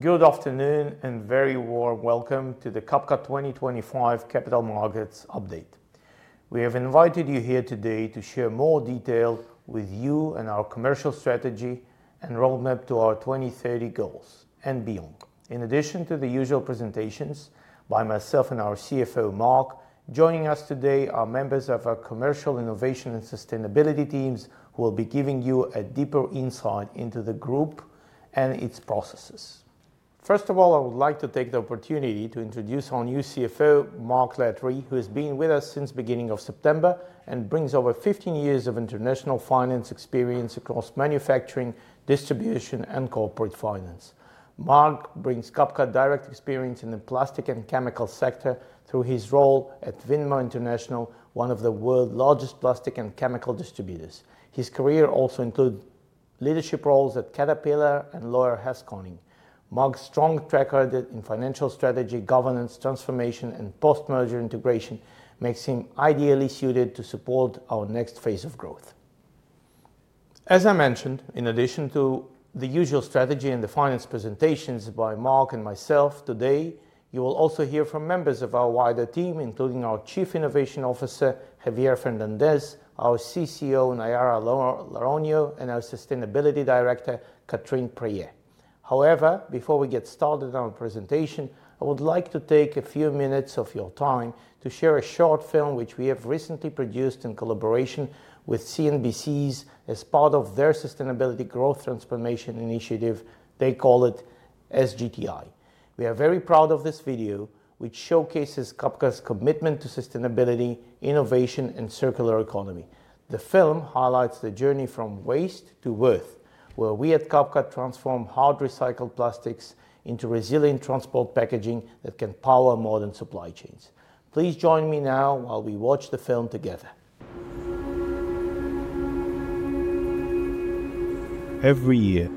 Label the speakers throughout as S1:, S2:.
S1: Good afternoon and very warm welcome to the Cabka 2025 Capital Markets Update. We have invited you here today to share more detail with you and our commercial strategy and roadmap to our 2030 goals and beyond. In addition to the usual presentations by myself and our CFO Mark, joining us today are members of our Commercial Innovation and Sustainability teams who will be giving you a deeper insight into the group and its processes. First of all, I would like to take the opportunity to introduce our new CFO, Mark Letterie, who has been with us since the beginning of September and brings over 15 years of international finance experience across manufacturing, distribution, and corporate finance. Mark brings Cabka direct experience in the plastic and chemical sector through his role at Vinmar International, one of the world's largest plastic and chemical distributors. His career also included leadership roles at Caterpillar and Royal Haskoning. Mark's strong track record in financial strategy, governance, transformation, and post-merger integration makes him ideally suited to support our next phase of growth. As I mentioned, in addition to the usual strategy and the finance presentations by Mark and myself today, you will also hear from members of our wider team, including our Chief Innovation Officer, Javier Fernández, our CCO, Naiara Louroño, and our Sustainability Director, Katrine Poirier. However, before we get started on our presentation, I would like to take a few minutes of your time to share a short film which we have recently produced in collaboration with CNBC as part of their Sustainability Growth Transformation Initiative. They call it SGTI. We are very proud of this video, which showcases Cabka's commitment to sustainability, innovation, and circular economy. The film highlights the journey from waste to worth, where we at Cabka transform hard recycled plastics into resilient transport packaging that can power modern supply chains. Please join me now while we watch the film together.
S2: Every year,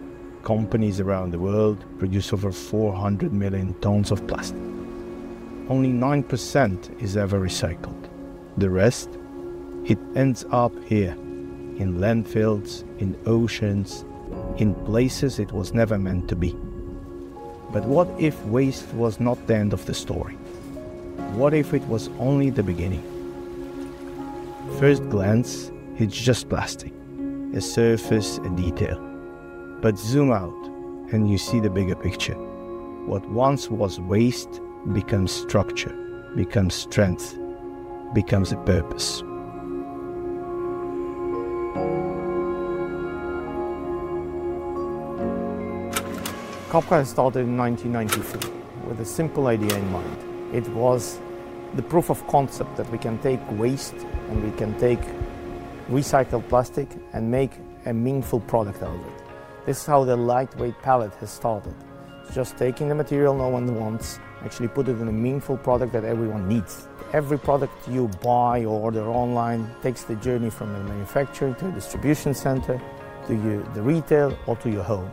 S2: companies around the world produce over 400 million tons of plastic. Only 9% is ever recycled. The rest? It ends up here, in landfills, in oceans, in places it was never meant to be. What if waste was not the end of the story? What if it was only the beginning? At first glance, it's just plastic, a surface, a detail. Zoom out and you see the bigger picture. What once was waste becomes structure, becomes strength, becomes a purpose. Cabka started in 1994 with a simple idea in mind. It was the proof of concept that we can take waste and we can take recycled plastic and make a meaningful product out of it. This is how the lightweight pallet has started. It's just taking the material no one wants, actually put it in a meaningful product that everyone needs. Every product you buy or order online takes the journey from the manufacturer to the distribution center, to the retail, or to your home.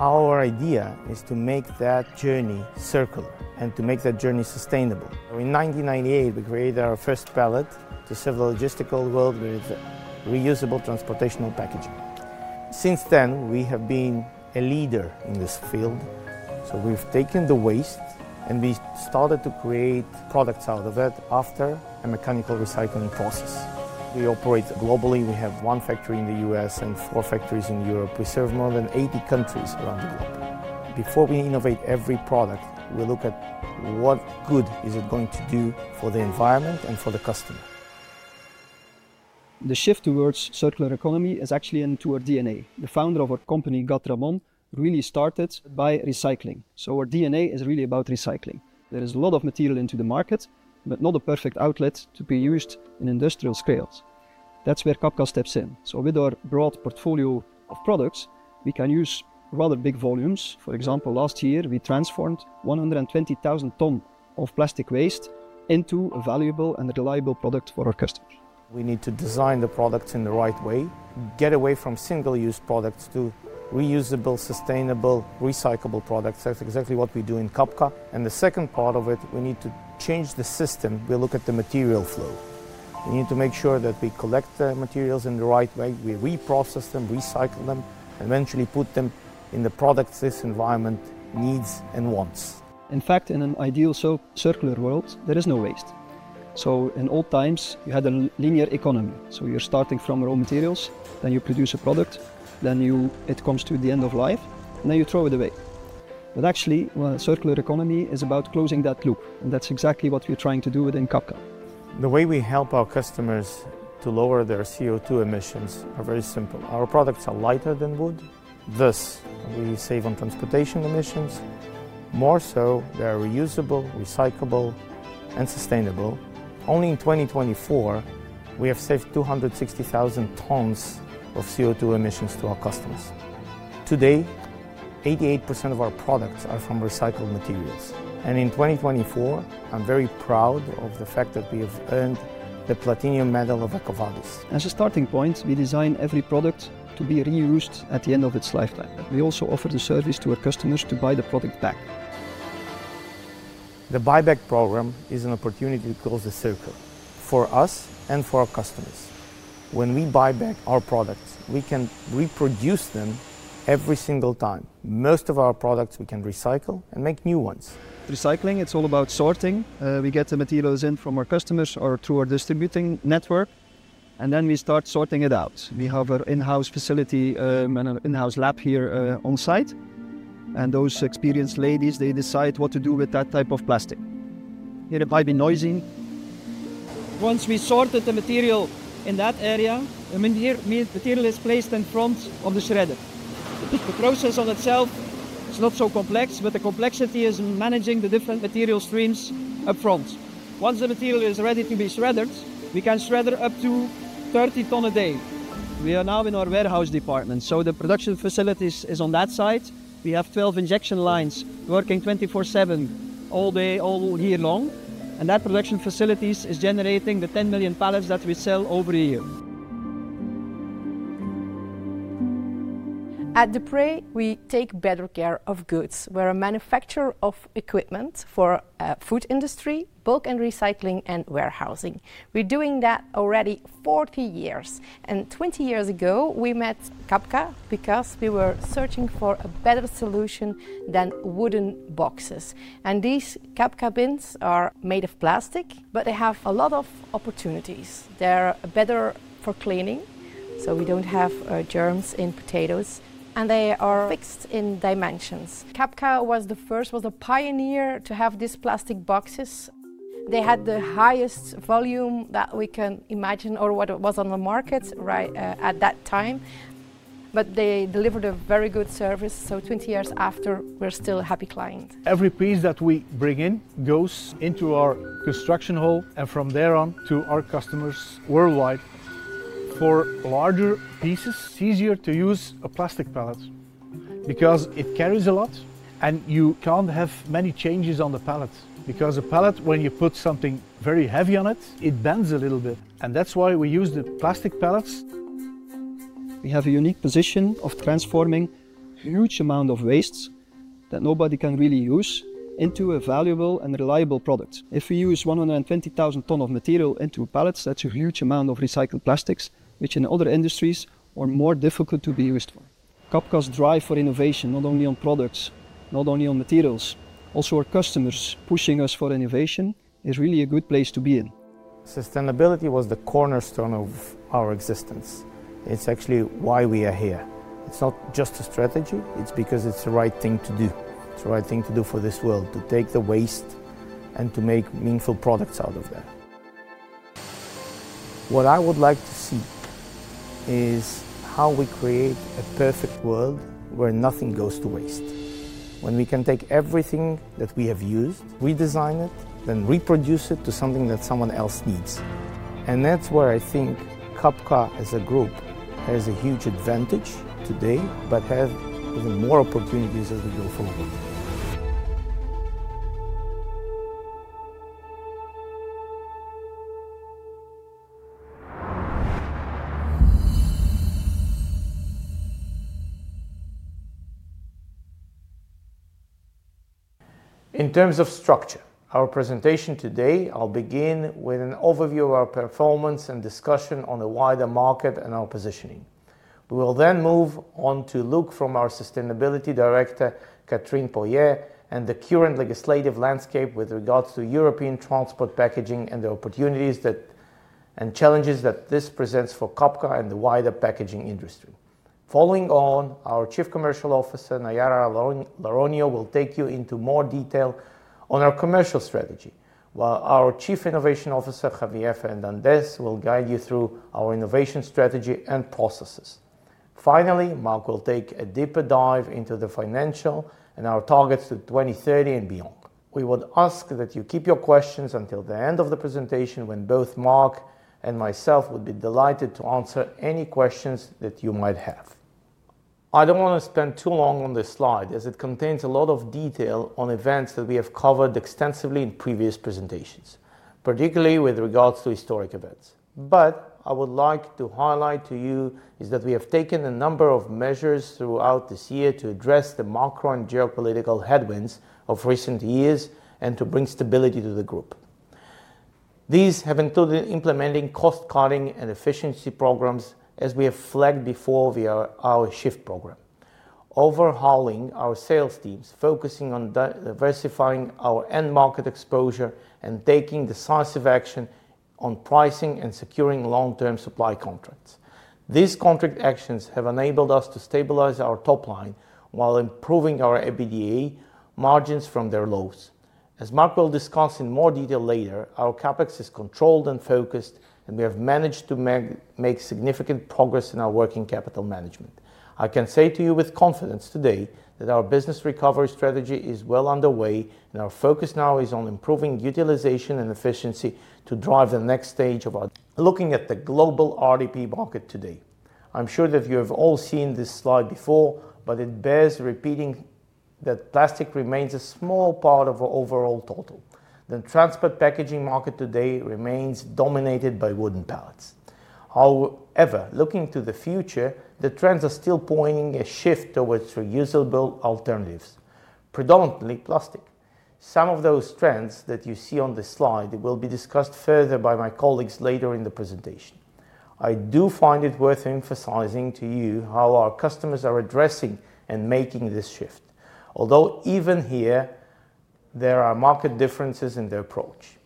S2: Our idea is to make that journey circular and to make that journey sustainable. In 1998, we created our first pallet to serve the logistical world with reusable transport packaging. Since then, we have been a leader in this field. We have taken the waste and we started to create products out of it after a mechanical recycling process. We operate globally. We have one factory in the US and four factories in Europe. We serve more than 80 countries around the globe. Before we innovate every product, we look at what good is it going to do for the environment and for the customer. The shift towards circular economy is actually in our DNA. The founder of our company, Gott Ramon, really started by recycling. So our DNA is really about recycling. There is a lot of material into the market, but not a perfect outlet to be used in industrial scales. That is where Cabka steps in. With our broad portfolio of products, we can use rather big volumes. For example, last year, we transformed 120,000 tons of plastic waste into a valuable and reliable product for our customers. We need to design the products in the right way, get away from single-use products to reusable, sustainable, recyclable products. That is exactly what we do in Cabka. The second part of it, we need to change the system. We look at the material flow. We need to make sure that we collect the materials in the right way. We reprocess them, recycle them, and eventually put them in the products this environment needs and wants. In fact, in an ideal circular world, there is no waste. In old times, you had a linear economy. You are starting from raw materials, then you produce a product, then it comes to the end of life, and then you throw it away. Actually, circular economy is about closing that loop. That is exactly what we are trying to do within Cabka. The way we help our customers to lower their CO2 emissions is very simple. Our products are lighter than wood. Thus, we save on transportation emissions. More so, they are reusable, recyclable, and sustainable. Only in 2024, we have saved 260,000 tons of CO2 emissions to our customers. Today, 88% of our products are from recycled materials. In 2024, I'm very proud of the fact that we have earned the Platinum Medal of EcoVadis. As a starting point, we design every product to be reused at the end of its lifetime. We also offer the service to our customers to buy the product back. The Buy Back Program is an opportunity to close the circle for us and for our customers. When we buy back our products, we can reproduce them every single time. Most of our products, we can recycle and make new ones. Recycling, it's all about sorting. We get the materials in from our customers or through our distributing network, and then we start sorting it out. We have our in-house facility and our in-house lab here on site. Those experienced ladies, they decide what to do with that type of plastic. It might be noisy. Once we sorted the material in that area, the material is placed in front of the shredder. The process on itself is not so complex, but the complexity is managing the different material streams up front. Once the material is ready to be shredded, we can shred up to 30 tons a day. We are now in our warehouse department. The production facility is on that side. We have 12 injection lines working 24/7, all day, all year long. That production facility is generating the 10 million pallets that we sell over a year. At Duprey, we take better care of goods. We're a manufacturer of equipment for the food industry, bulk and recycling, and warehousing. We're doing that already for 40 years. Twenty years ago, we met Cabka because we were searching for a better solution than wooden boxes. These Cabka bins are made of plastic, but they have a lot of opportunities. They're better for cleaning, so we don't have germs in potatoes, and they are fixed in dimensions. Cabka was the first, was the pioneer to have these plastic boxes. They had the highest volume that we can imagine or what was on the market at that time. They delivered a very good service. Twenty years after, we're still a happy client. Every piece that we bring in goes into our construction hall, and from there on to our customers worldwide. For larger pieces, it's easier to use a plastic pallet because it carries a lot, and you can't have many changes on the pallet. A pallet, when you put something very heavy on it, it bends a little bit. That's why we use the plastic pallets. We have a unique position of transforming a huge amount of wastes that nobody can really use into a valuable and reliable product. If we use 120,000 tons of material into pallets, that's a huge amount of recycled plastics, which in other industries are more difficult to be used for. Cabka is drive for innovation, not only on products, not only on materials. Also, our customers pushing us for innovation is really a good place to be in. Sustainability was the cornerstone of our existence. It's actually why we are here. It's not just a strategy. It's because it's the right thing to do. It's the right thing to do for this world, to take the waste and to make meaningful products out of that. What I would like to see is how we create a perfect world where nothing goes to waste. When we can take everything that we have used, redesign it, then reproduce it to something that someone else needs. That is where I think Cabka as a group has a huge advantage today, but has even more opportunities as we go forward.
S1: In terms of structure, our presentation today will begin with an overview of our performance and discussion on a wider market and our positioning. We will then move on to look from our Sustainability Director, Katrine Poirier, and the current legislative landscape with regards to European transport packaging and the opportunities and challenges that this presents for Cabka and the wider packaging industry. Following on, our Chief Commercial Officer, Naiara Louroño, will take you into more detail on our commercial strategy, while our Chief Innovation Officer, Javier Fernández, will guide you through our innovation strategy and processes. Finally, Mark will take a deeper dive into the financial and our targets to 2030 and beyond. We would ask that you keep your questions until the end of the presentation when both Mark and myself would be delighted to answer any questions that you might have. I do not want to spend too long on this slide as it contains a lot of detail on events that we have covered extensively in previous presentations, particularly with regards to historic events. I would like to highlight to you that we have taken a number of measures throughout this year to address the macro and geopolitical headwinds of recent years and to bring stability to the group. These have included implementing cost-cutting and efficiency programs as we have flagged before via our shift program, overhauling our sales teams, focusing on diversifying our end market exposure, and taking decisive action on pricing and securing long-term supply contracts. These contract actions have enabled us to stabilize our top line while improving our EBITDA margins from their lows. As Mark will discuss in more detail later, our CapEx is controlled and focused, and we have managed to make significant progress in our working capital management. I can say to you with confidence today that our business recovery strategy is well underway, and our focus now is on improving utilization and efficiency to drive the next stage of our development. Looking at the global RTP market today, I'm sure that you have all seen this slide before, but it bears repeating that plastic remains a small part of our overall total. The transport packaging market today remains dominated by wooden pallets. However, looking to the future, the trends are still pointing a shift towards reusable alternatives, predominantly plastic. Some of those trends that you see on this slide will be discussed further by my colleagues later in the presentation. I do find it worth emphasizing to you how our customers are addressing and making this shift, although even here, there are market differences in their approach.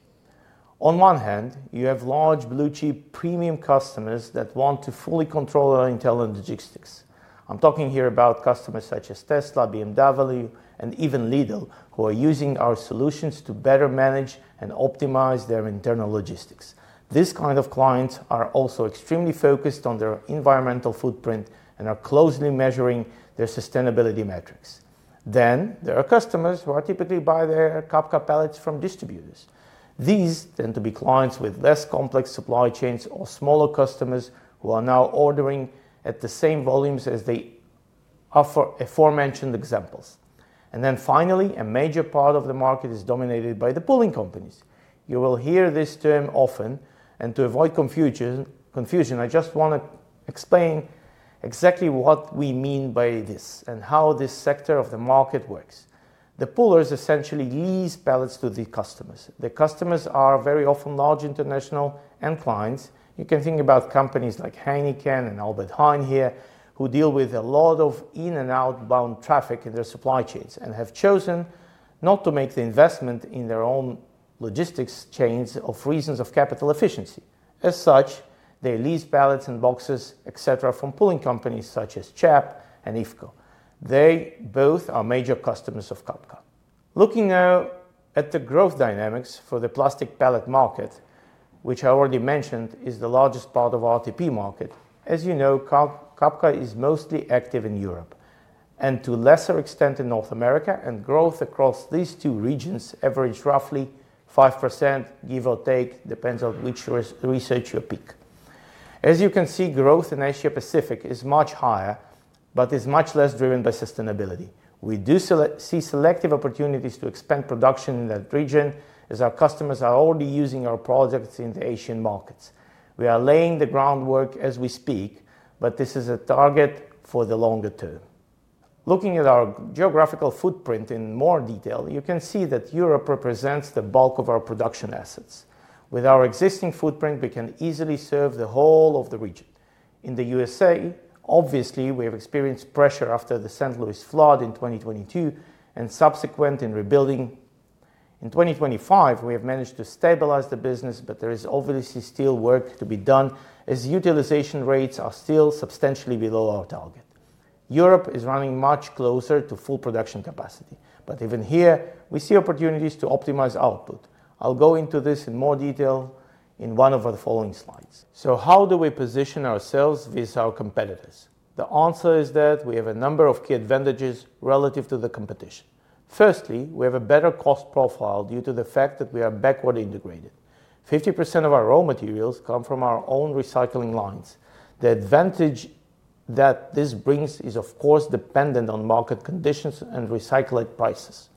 S1: On one hand, you have large blue-chip premium customers that want to fully control our internal logistics. I'm talking here about customers such as Tesla, BMW, and even Lidl, who are using our solutions to better manage and optimize their internal logistics. This kind of clients are also extremely focused on their environmental footprint and are closely measuring their sustainability metrics. There are customers who are typically buying their Cabka pallets from distributors. These tend to be clients with less complex supply chains or smaller customers who are now ordering at the same volumes as they offer aforementioned examples. Finally, a major part of the market is dominated by the pooling companies. You will hear this term often. To avoid confusion, I just want to explain exactly what we mean by this and how this sector of the market works. The poolers essentially lease pallets to the customers. The customers are very often large international end clients. You can think about companies like Heineken and Albert Heijn here, who deal with a lot of in- and outbound traffic in their supply chains and have chosen not to make the investment in their own logistics chains for reasons of capital efficiency. As such, they lease pallets and boxes, etc., from pooling companies such as CHEP and IFCO. They both are major customers of Cabka. Looking now at the growth dynamics for the plastic pallet market, which I already mentioned is the largest part of our RTP market. As you know, Cabka is mostly active in Europe and to a lesser extent in North America. Growth across these two regions averages roughly 5%, give or take, depends on which research you pick. As you can see, growth in Asia-Pacific is much higher, but is much less driven by sustainability. We do see selective opportunities to expand production in that region as our customers are already using our products in the Asian markets. We are laying the groundwork as we speak, but this is a target for the longer term. Looking at our geographical footprint in more detail, you can see that Europe represents the bulk of our production assets. With our existing footprint, we can easily serve the whole of the region. In the U.S., obviously, we have experienced pressure after the St. Louis flood in 2022 and subsequent in rebuilding. In 2025, we have managed to stabilize the business, but there is obviously still work to be done as utilization rates are still substantially below our target. Europe is running much closer to full production capacity. Even here, we see opportunities to optimize output. I will go into this in more detail in one of the following slides. How do we position ourselves with our competitors? The answer is that we have a number of key advantages relative to the competition. Firstly, we have a better cost profile due to the fact that we are backward integrated. 50% of our raw materials come from our own recycling lines. The advantage that this brings is, of course, dependent on market conditions and recycled prices.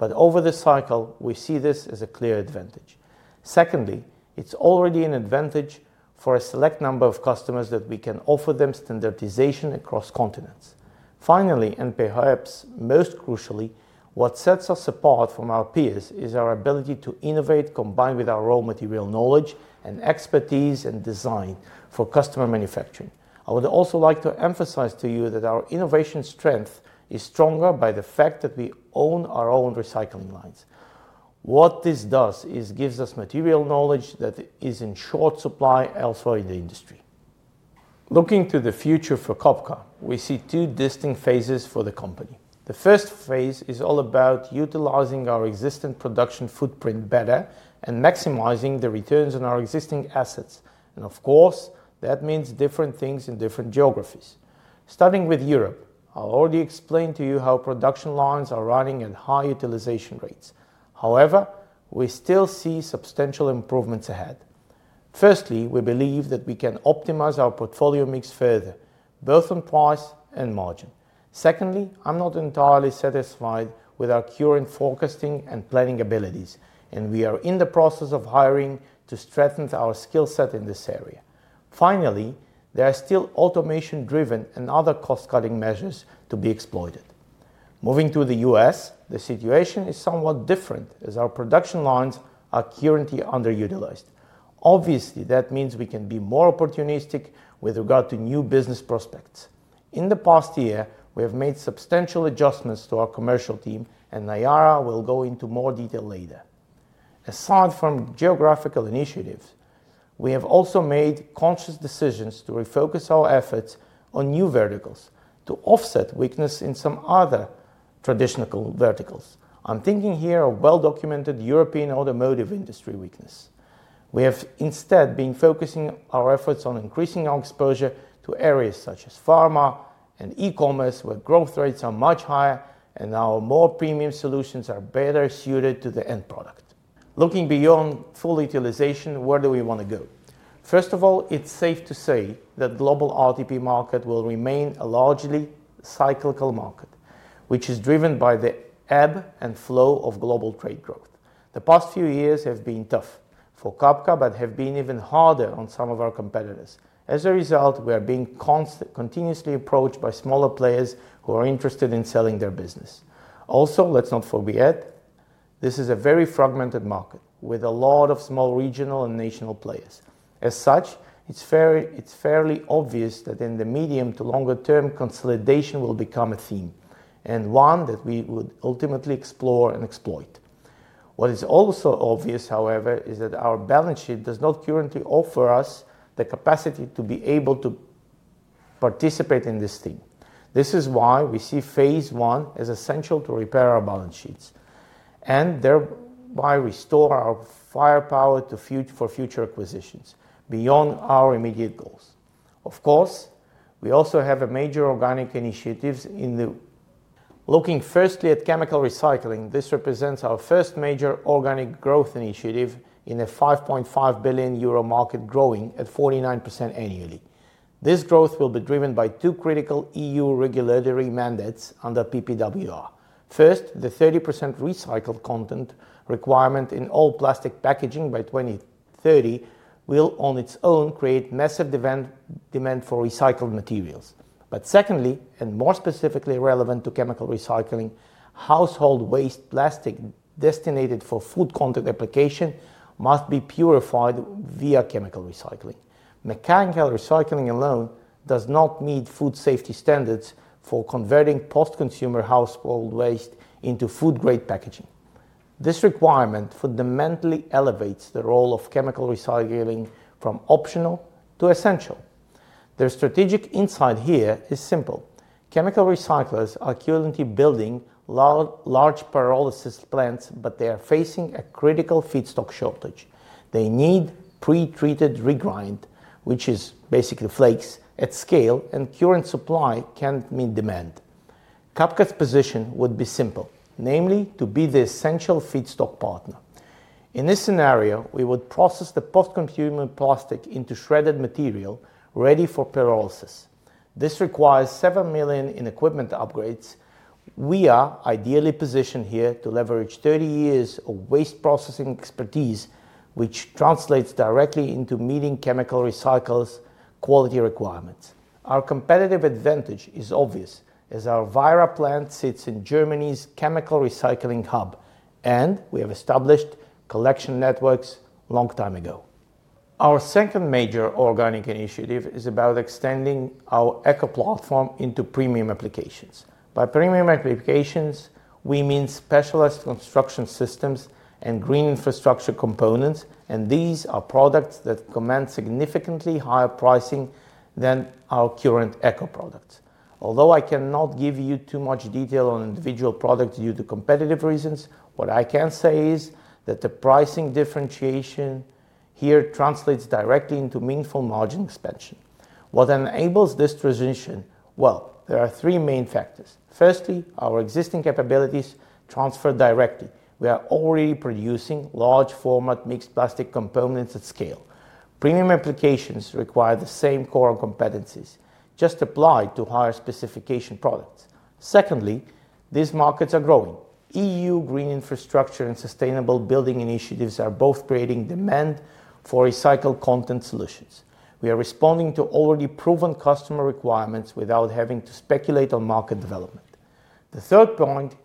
S1: Over the cycle, we see this as a clear advantage. Secondly, it's already an advantage for a select number of customers that we can offer them standardization across continents. Finally, and perhaps most crucially, what sets us apart from our peers is our ability to innovate combined with our raw material knowledge and expertise and design for customer manufacturing. I would also like to emphasize to you that our innovation strength is stronger by the fact that we own our own recycling lines. What this does is gives us material knowledge that is in short supply elsewhere in the industry. Looking to the future for Cabka, we see two distinct phases for the company. The first phase is all about utilizing our existing production footprint better and maximizing the returns on our existing assets. Of course, that means different things in different geographies. Starting with Europe, I already explained to you how production lines are running at high utilization rates. However, we still see substantial improvements ahead. Firstly, we believe that we can optimize our portfolio mix further, both on price and margin. Secondly, I'm not entirely satisfied with our current forecasting and planning abilities, and we are in the process of hiring to strengthen our skill set in this area. Finally, there are still automation-driven and other cost-cutting measures to be exploited. Moving to the U.S., the situation is somewhat different as our production lines are currently underutilized. Obviously, that means we can be more opportunistic with regard to new business prospects. In the past year, we have made substantial adjustments to our commercial team, and Naiara will go into more detail later. Aside from geographical initiatives, we have also made conscious decisions to refocus our efforts on new verticals to offset weakness in some other traditional verticals. I'm thinking here of well-documented European automotive industry weakness. We have instead been focusing our efforts on increasing our exposure to areas such as pharma and e-commerce, where growth rates are much higher and our more premium solutions are better suited to the end product. Looking beyond full utilization, where do we want to go? First of all, it's safe to say that the global RTP market will remain a largely cyclical market, which is driven by the ebb and flow of global trade growth. The past few years have been tough for Cabka, but have been even harder on some of our competitors. As a result, we are being continuously approached by smaller players who are interested in selling their business. Also, let's not forget this is a very fragmented market with a lot of small regional and national players. As such, it's fairly obvious that in the medium to longer term, consolidation will become a theme and one that we would ultimately explore and exploit. What is also obvious, however, is that our balance sheet does not currently offer us the capacity to be able to participate in this thing. This is why we see phase I as essential to repair our balance sheet, and thereby restore our firepower for future acquisitions beyond our immediate goals. Of course, we also have major organic initiatives in the. Looking firstly at chemical recycling, this represents our first major organic growth initiative in a 5.5 billion euro market growing at 49% annually. This growth will be driven by two critical EU regulatory mandates under PPWR. First, the 30% recycled content requirement in all plastic packaging by 2030 will on its own create massive demand for recycled materials. Secondly, and more specifically relevant to chemical recycling, household waste plastic destined for food content application must be purified via chemical recycling. Mechanical recycling alone does not meet food safety standards for converting post-consumer household waste into food-grade packaging. This requirement fundamentally elevates the role of chemical recycling from optional to essential. Their strategic insight here is simple. Chemical recyclers are currently building large pyrolysis plants, but they are facing a critical feedstock shortage. They need pre-treated regrind, which is basically flakes at scale, and current supply cannot meet demand. Cabka's position would be simple, namely to be the essential feedstock partner. In this scenario, we would process the post-consumer plastic into shredded material ready for pyrolysis. This requires 7 million in equipment upgrades. We are ideally positioned here to leverage 30 years of waste processing expertise, which translates directly into meeting chemical recycle quality requirements. Our competitive advantage is obvious as our Vaira plant sits in Germany's chemical recycling hub, and we have established collection networks a long time ago. Our second major organic initiative is about extending our Eco Platform into premium applications. By premium applications, we mean specialized construction systems and green infrastructure components, and these are products that command significantly higher pricing than our current Eco products. Although I cannot give you too much detail on individual products due to competitive reasons, what I can say is that the pricing differentiation here translates directly into meaningful margin expansion. What enables this transition? There are three main factors. Firstly, our existing capabilities transfer directly. We are already producing large-format mixed plastic components at scale. Premium applications require the same core competencies, just applied to higher specification products. Secondly, these markets are growing. EU green infrastructure and sustainable building initiatives are both creating demand for recycled content solutions. We are responding to already proven customer requirements without having to speculate on market development. The third point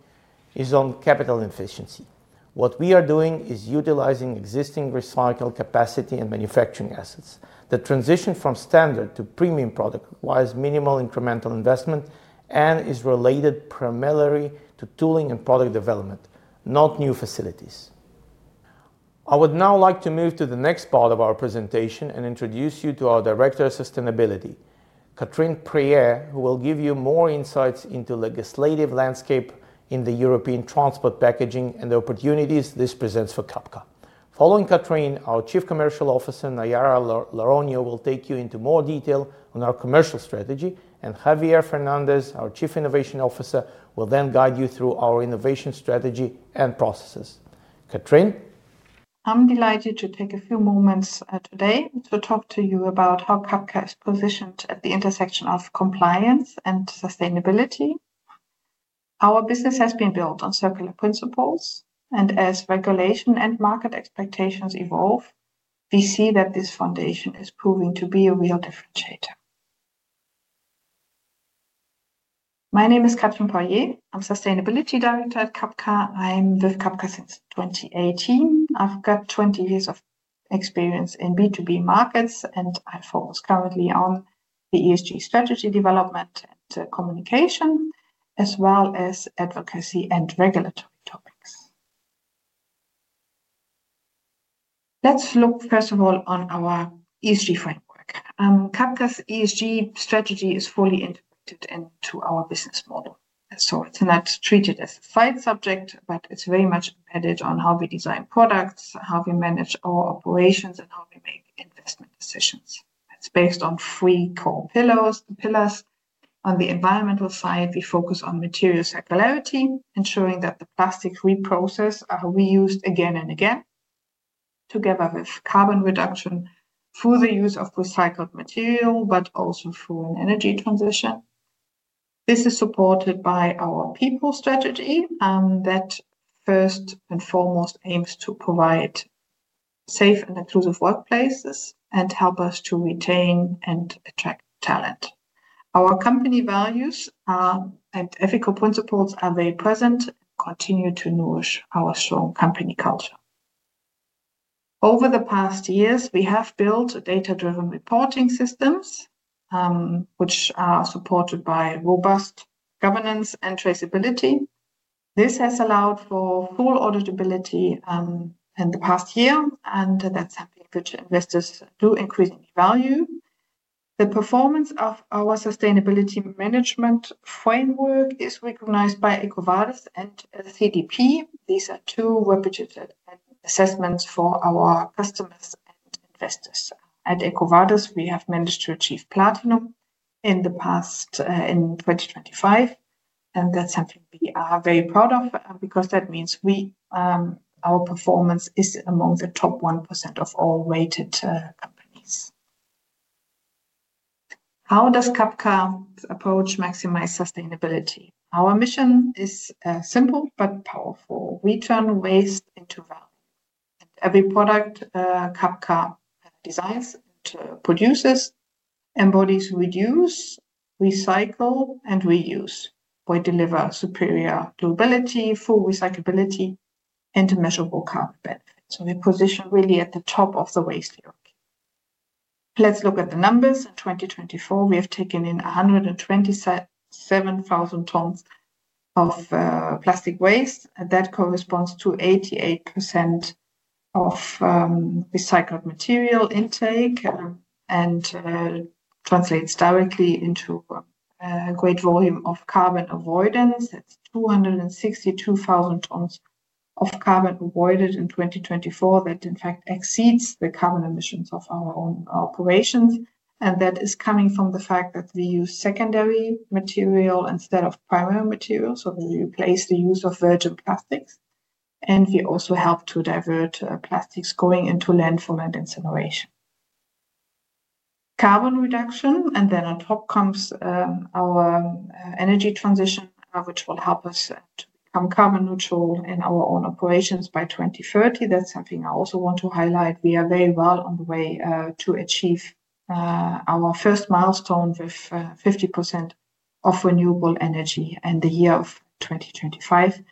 S1: is on capital efficiency. What we are doing is utilizing existing recycled capacity and manufacturing assets. The transition from standard to premium product requires minimal incremental investment and is related primarily to tooling and product development, not new facilities. I would now like to move to the next part of our presentation and introduce you to our Director of Sustainability, Katrine Poirier, who will give you more insights into the legislative landscape in the European transport packaging and the opportunities this presents for Cabka. Following Katrine, our Chief Commercial Officer, Naiara Loroño will take you into more detail on our commercial strategy, and Javier Fernández, our Chief Innovation Officer, will then guide you through our innovation strategy and processes. Katrine.
S3: I'm delighted to take a few moments today to talk to you about how Cabka is positioned at the intersection of compliance and sustainability. Our business has been built on circular principles, and as regulation and market expectations evolve, we see that this foundation is proving to be a real differentiator. My name is Katrine Poirier. I'm Sustainability Director at Cabka. I'm with Cabka since 2018. I've got 20 years of experience in B2B markets, and I focus currently on the ESG strategy development and communication, as well as advocacy and regulatory topics. Let's look first of all on our ESG framework. Cabka's ESG strategy is fully integrated into our business model. It is not treated as a side subject, but it is very much embedded in how we design products, how we manage our operations, and how we make investment decisions. It is based on three core pillars. On the environmental side, we focus on material circularity, ensuring that the plastic reprocess is reused again and again, together with carbon reduction through the use of recycled material, but also through an energy transition. This is supported by our people strategy that first and foremost aims to provide safe and inclusive workplaces and help us to retain and attract talent. Our company values and ethical principles are very present and continue to nourish our strong company culture. Over the past years, we have built data-driven reporting systems, which are supported by robust governance and traceability. This has allowed for full auditability in the past year, and that is something which investors do increasingly value. The performance of our sustainability management framework is recognized by EcoVadis and CDP. These are two reputed assessments for our customers and investors. At EcoVadis, we have managed to achieve Platinum in 2025, and that's something we are very proud of because that means our performance is among the top 1% of all rated companies. How does Cabka's approach maximize sustainability? Our mission is simple but powerful. We turn waste into value, and every product Cabka designs and produces embodies reduce, recycle, and reuse or deliver superior durability, full recyclability, and measurable carbon benefits. We position really at the top of the waste hierarchy. Let's look at the numbers. In 2024, we have taken in 127,000 tons of plastic waste, and that corresponds to 88% of recycled material intake and translates directly into a great volume of carbon avoidance. That's 262,000 tons of carbon avoided in 2024. That in fact exceeds the carbon emissions of our own operations, and that is coming from the fact that we use secondary material instead of primary material. We replace the use of virgin plastics, and we also help to divert plastics going into landfill and incineration. Carbon reduction, and then on top comes our energy transition, which will help us to become carbon neutral in our own operations by 2030. That is something I also want to highlight. We are very well on the way to achieve our first milestone with 50% of renewable energy in the year of 2025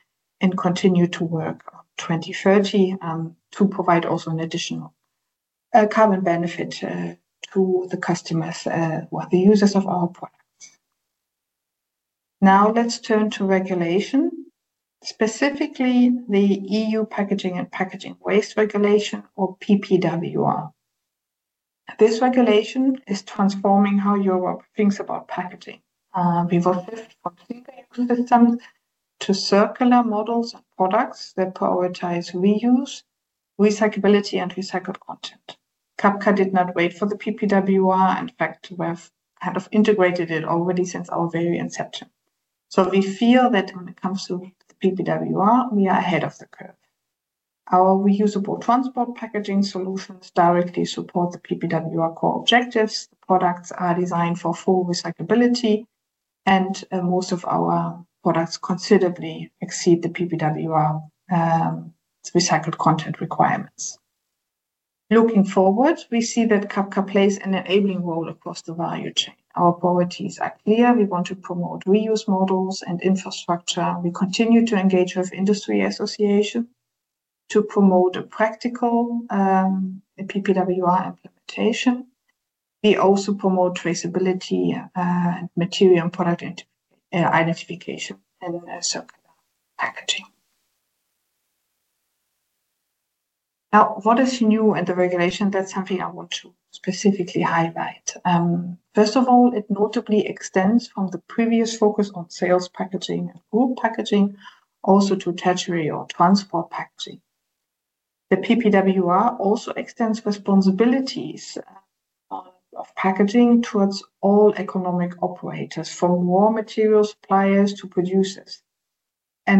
S3: and continue to work on 2030 to provide also an additional carbon benefit to the customers or the users of our products. Now let's turn to regulation, specifically the EU Packaging and Packaging Waste Regulation, or PPWR. This regulation is transforming how Europe thinks about packaging. We will shift from single-use systems to circular models and products that prioritize reuse, recyclability, and recycled content. Cabka did not wait for the PPWR. In fact, we have kind of integrated it already since our very inception. We feel that when it comes to the PPWR, we are ahead of the curve. Our reusable transport packaging solutions directly support the PPWR core objectives. The products are designed for full recyclability, and most of our products considerably exceed the PPWR recycled content requirements. Looking forward, we see that Cabka plays an enabling role across the value chain. Our priorities are clear. We want to promote reuse models and infrastructure. We continue to engage with industry associations to promote a practical PPWR implementation. We also promote traceability and material and product identification in circular packaging. Now, what is new in the regulation? That is something I want to specifically highlight. First of all, it notably extends from the previous focus on sales packaging and group packaging also to tertiary or transport packaging. The PPWR also extends responsibilities of packaging towards all economic operators, from raw material suppliers to producers.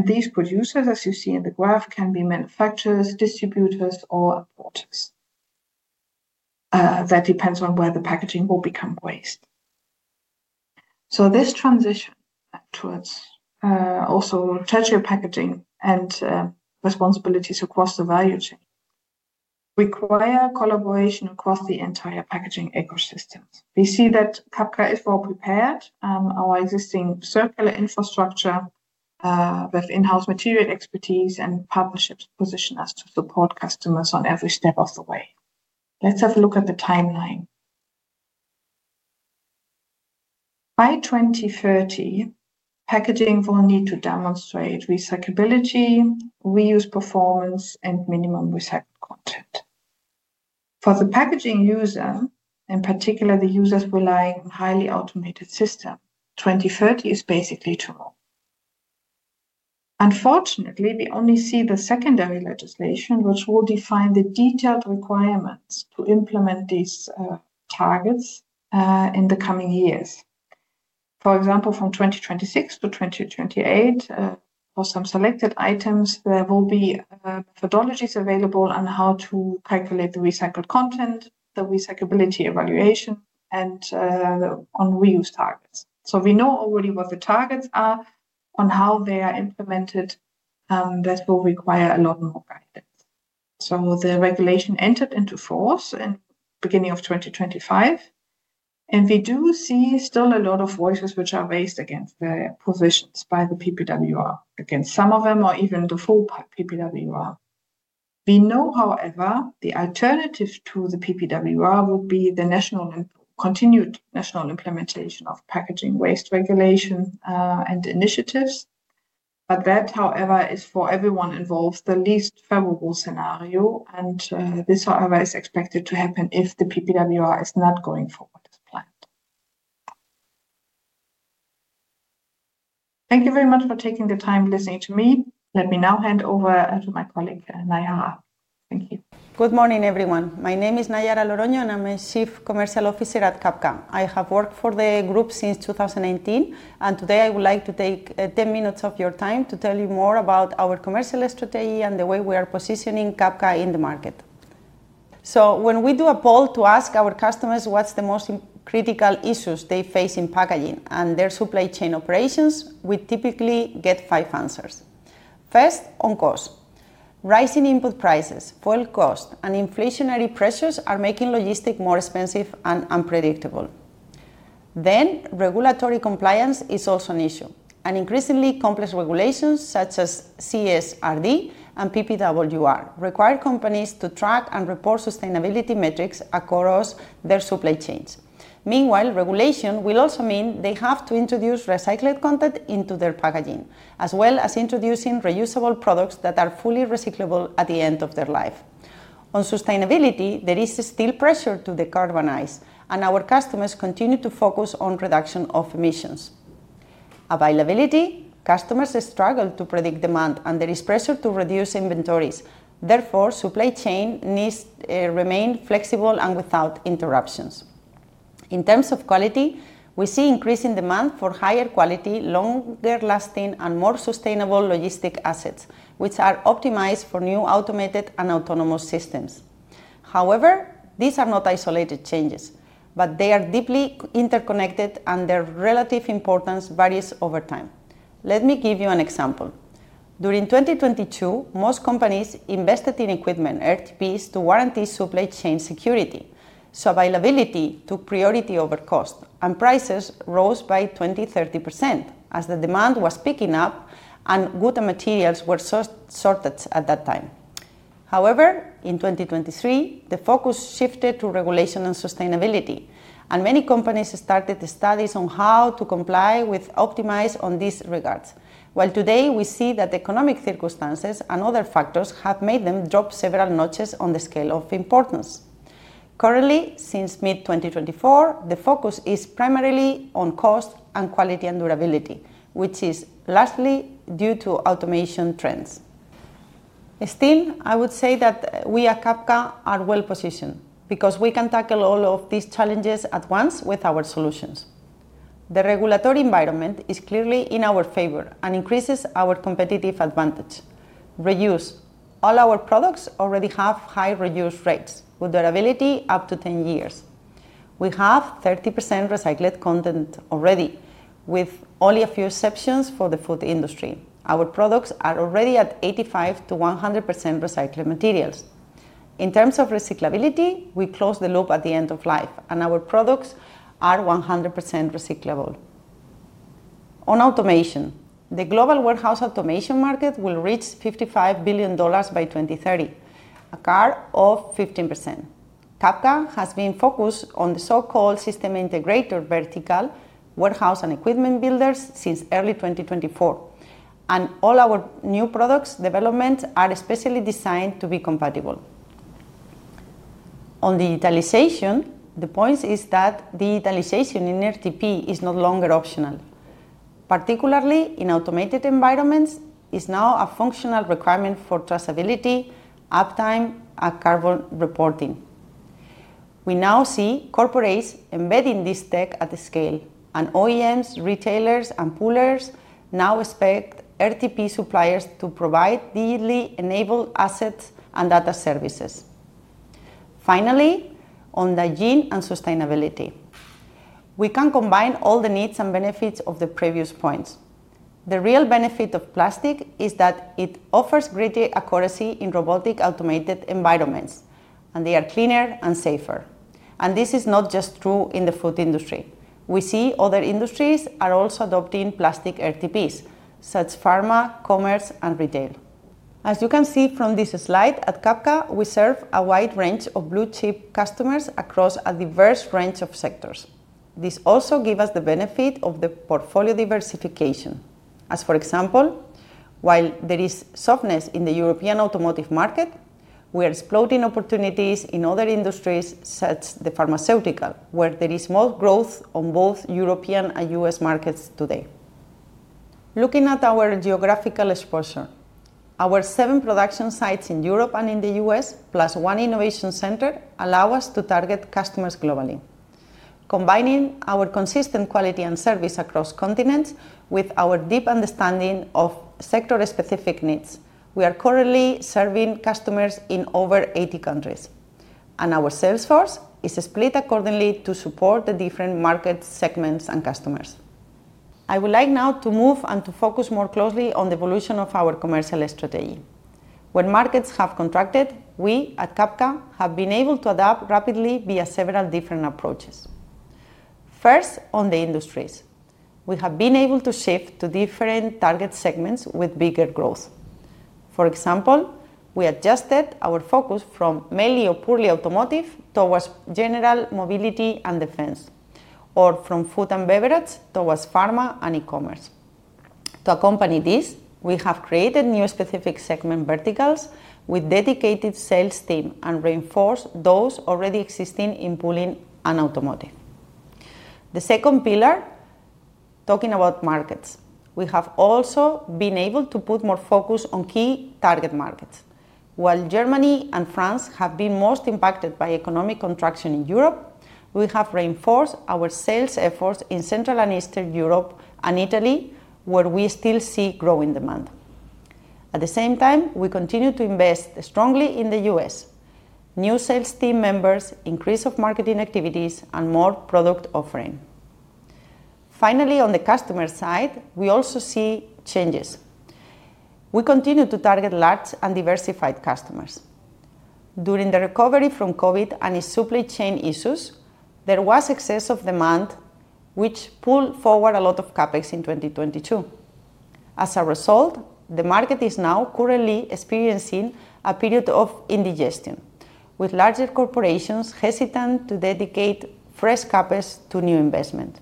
S3: These producers, as you see in the graph, can be manufacturers, distributors, or importers. That depends on where the packaging will become waste. This transition towards also tertiary packaging and responsibilities across the value chain require collaboration across the entire packaging ecosystem. We see that Cabka is well prepared. Our existing circular infrastructure with in-house material expertise and partnerships position us to support customers on every step of the way. Let's have a look at the timeline. By 2030, packaging will need to demonstrate recyclability, reuse performance, and minimum recycled content. For the packaging user, in particular, the users relying on a highly automated system, 2030 is basically tomorrow. Unfortunately, we only see the secondary legislation, which will define the detailed requirements to implement these targets in the coming years. For example, from 2026 to 2028, for some selected items, there will be methodologies available on how to calculate the recycled content, the recyclability evaluation, and on reuse targets. We know already what the targets are on how they are implemented. That will require a lot more guidance. The regulation entered into force in the beginning of 2025, and we do see still a lot of voices which are raised against the positions by the PPWR, against some of them or even the full PPWR. We know, however, the alternative to the PPWR would be the continued national implementation of packaging waste regulation and initiatives. That, however, is for everyone involved, the least favorable scenario, and this, however, is expected to happen if the PPWR is not going forward as planned. Thank you very much for taking the time listening to me. Let me now hand over to my colleague, Naiara. Thank you.
S4: Good morning, everyone. My name is Naiara Loroño and I am Chief Commercial Officer at Cabka. I have worked for the group since 2019, and today I would like to take 10 minutes of your time to tell you more about our commercial strategy and the way we are positioning Cabka in the market. When we do a poll to ask our customers what the most critical issues they face in packaging and their supply chain operations are, we typically get five answers. First, on cost. Rising input prices, fuel costs, and inflationary pressures are making logistics more expensive and unpredictable. Regulatory compliance is also an issue. Increasingly complex regulations such as CSRD and PPWR require companies to track and report sustainability metrics across their supply chains. Meanwhile, regulation will also mean they have to introduce recycled content into their packaging, as well as introducing reusable products that are fully recyclable at the end of their life. On sustainability, there is still pressure to decarbonize, and our customers continue to focus on reduction of emissions. Availability, customers struggle to predict demand, and there is pressure to reduce inventories. Therefore, supply chain needs to remain flexible and without interruptions. In terms of quality, we see increasing demand for higher quality, longer-lasting, and more sustainable logistic assets, which are optimized for new automated and autonomous systems. However, these are not isolated changes, but they are deeply interconnected, and their relative importance varies over time. Let me give you an example. During 2022, most companies invested in equipment, RTPs, to guarantee supply chain security. Availability took priority over cost, and prices rose by 20%-30% as the demand was picking up and good materials were sourced at that time. However, in 2023, the focus shifted to regulation and sustainability, and many companies started studies on how to comply with optimize on these regards. While today we see that economic circumstances and other factors have made them drop several notches on the scale of importance. Currently, since mid-2024, the focus is primarily on cost and quality and durability, which is largely due to automation trends. Still, I would say that we at Cabka are well positioned because we can tackle all of these challenges at once with our solutions. The regulatory environment is clearly in our favor and increases our competitive advantage. Reuse, all our products already have high reuse rates with durability up to 10 years. We have 30% recycled content already, with only a few exceptions for the food industry. Our products are already at 85%-100% recycled materials. In terms of recyclability, we close the loop at the end of life, and our products are 100% recyclable. On automation, the global warehouse automation market will reach $55 billion by 2030, a curve of 15%. Cabka has been focused on the so-called system integrator vertical, warehouse and equipment builders since early 2024, and all our new products' developments are especially designed to be compatible. On digitalization, the point is that digitalization in RTP is no longer optional. Particularly in automated environments, it is now a functional requirement for traceability, uptime, and carbon reporting. We now see corporates embedding this tech at scale, and OEMs, retailers, and poolers now expect RTP suppliers to provide digitally enabled assets and data services. Finally, on the green and sustainability, we can combine all the needs and benefits of the previous points. The real benefit of plastic is that it offers greater accuracy in robotic automated environments, and they are cleaner and safer. This is not just true in the food industry. We see other industries are also adopting plastic RTPs, such as pharma, commerce, and retail. As you can see from this slide at Cabka, we serve a wide range of blue-chip customers across a diverse range of sectors. This also gives us the benefit of the portfolio diversification. As for example, while there is softness in the European automotive market, we are exploding opportunities in other industries, such as the pharmaceutical, where there is more growth on both European and US markets today. Looking at our geographical exposure, our seven production sites in Europe and in the US, plus one innovation center, allow us to target customers globally. Combining our consistent quality and service across continents with our deep understanding of sector-specific needs, we are currently serving customers in over 80 countries, and our sales force is split accordingly to support the different market segments and customers. I would like now to move and to focus more closely on the evolution of our commercial strategy. When markets have contracted, we at Cabka have been able to adapt rapidly via several different approaches. First, on the industries, we have been able to shift to different target segments with bigger growth. For example, we adjusted our focus from mainly or purely automotive towards general mobility and defense, or from food and beverage towards pharma and e-commerce. To accompany this, we have created new specific segment verticals with dedicated sales teams and reinforced those already existing in pooling and automotive. The second pillar, talking about markets, we have also been able to put more focus on key target markets. While Germany and France have been most impacted by economic contraction in Europe, we have reinforced our sales efforts in Central and Eastern Europe and Italy, where we still see growing demand. At the same time, we continue to invest strongly in the US, new sales team members, increase of marketing activities, and more product offering. Finally, on the customer side, we also see changes. We continue to target large and diversified customers. During the recovery from COVID and its supply chain issues, there was excess of demand, which pulled forward a lot of CapEx in 2022. As a result, the market is now currently experiencing a period of indigestion, with larger corporations hesitant to dedicate fresh CapEx to new investment.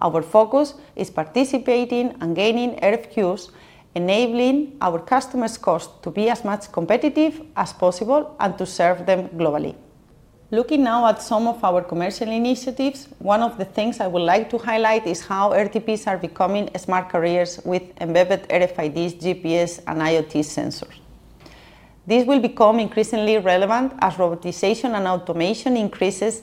S4: Our focus is participating and gaining RFQs, enabling our customers' costs to be as much competitive as possible and to serve them globally. Looking now at some of our commercial initiatives, one of the things I would like to highlight is how RTPs are becoming smart carriers with embedded RFID, GPS, and IoT sensors. This will become increasingly relevant as robotization and automation increases,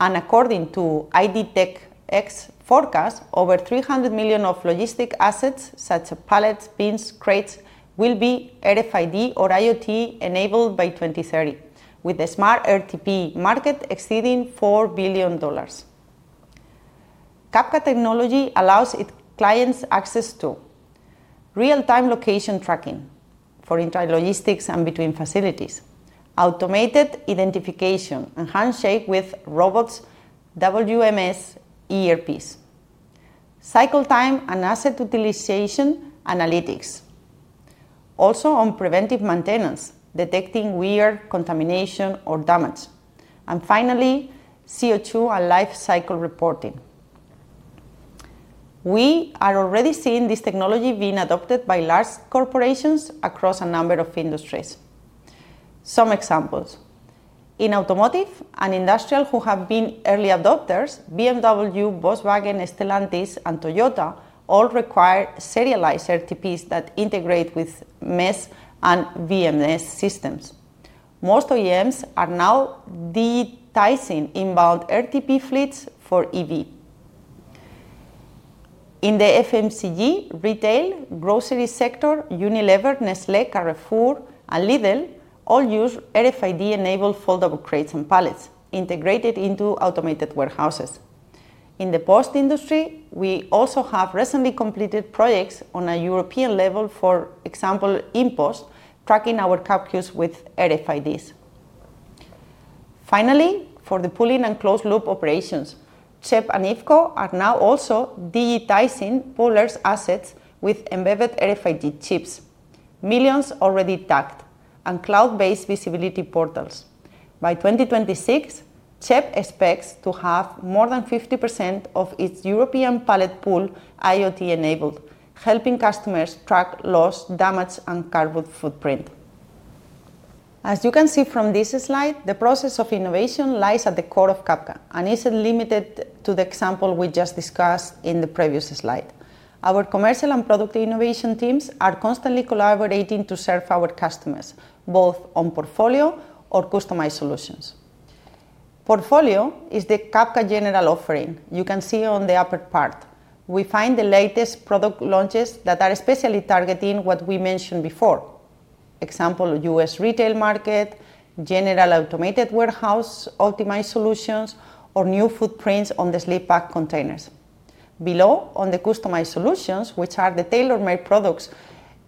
S4: and according to IDTech X forecast, over 300 million logistic assets, such as pallets, bins, crates, will be RFID or IoT-enabled by 2030, with the smart RTP market exceeding $4 billion. Cabka technology allows its clients access to real-time location tracking for intralogistics and between facilities, automated identification and handshake with robots, WMS, ERPs, cycle time, and asset utilization analytics. Also on preventive maintenance, detecting wear, contamination, or damage. Finally, CO2 and life cycle reporting. We are already seeing this technology being adopted by large corporations across a number of industries. Some examples: in automotive, an industrial who have been early adopters, BMW, Volkswagen, Stellantis, and Toyota all require serialized RTPs that integrate with MES and VMS systems. Most OEMs are now digitizing inbound RTP fleets for EV. In the FMCG, retail, grocery sector, Unilever, Nestlé, Carrefour, and Lidl all use RFID-enabled foldable crates and pallets integrated into automated warehouses. In the post-industry, we also have recently completed projects on a European level for example, InPost, tracking our CapQ's with RFIDs. Finally, for the pooling and closed-loop operations, CHEP and IFCO are now also digitizing poolers' assets with embedded RFID chips, millions already tagged, and cloud-based visibility portals. By 2026, CHEP expects to have more than 50% of its European pallet pool IoT-enabled, helping customers track loss, damage, and carbon footprint. As you can see from this slide, the process of innovation lies at the core of Cabka and isn't limited to the example we just discussed in the previous slide. Our commercial and product innovation teams are constantly collaborating to serve our customers, both on portfolio or customized solutions. Portfolio is the Cabka general offering you can see on the upper part. We find the latest product launches that are especially targeting what we mentioned before, example, US retail market, general automated warehouse optimized solutions, or new footprints on the sleep pack containers. Below, on the customized solutions, which are the tailor-made products,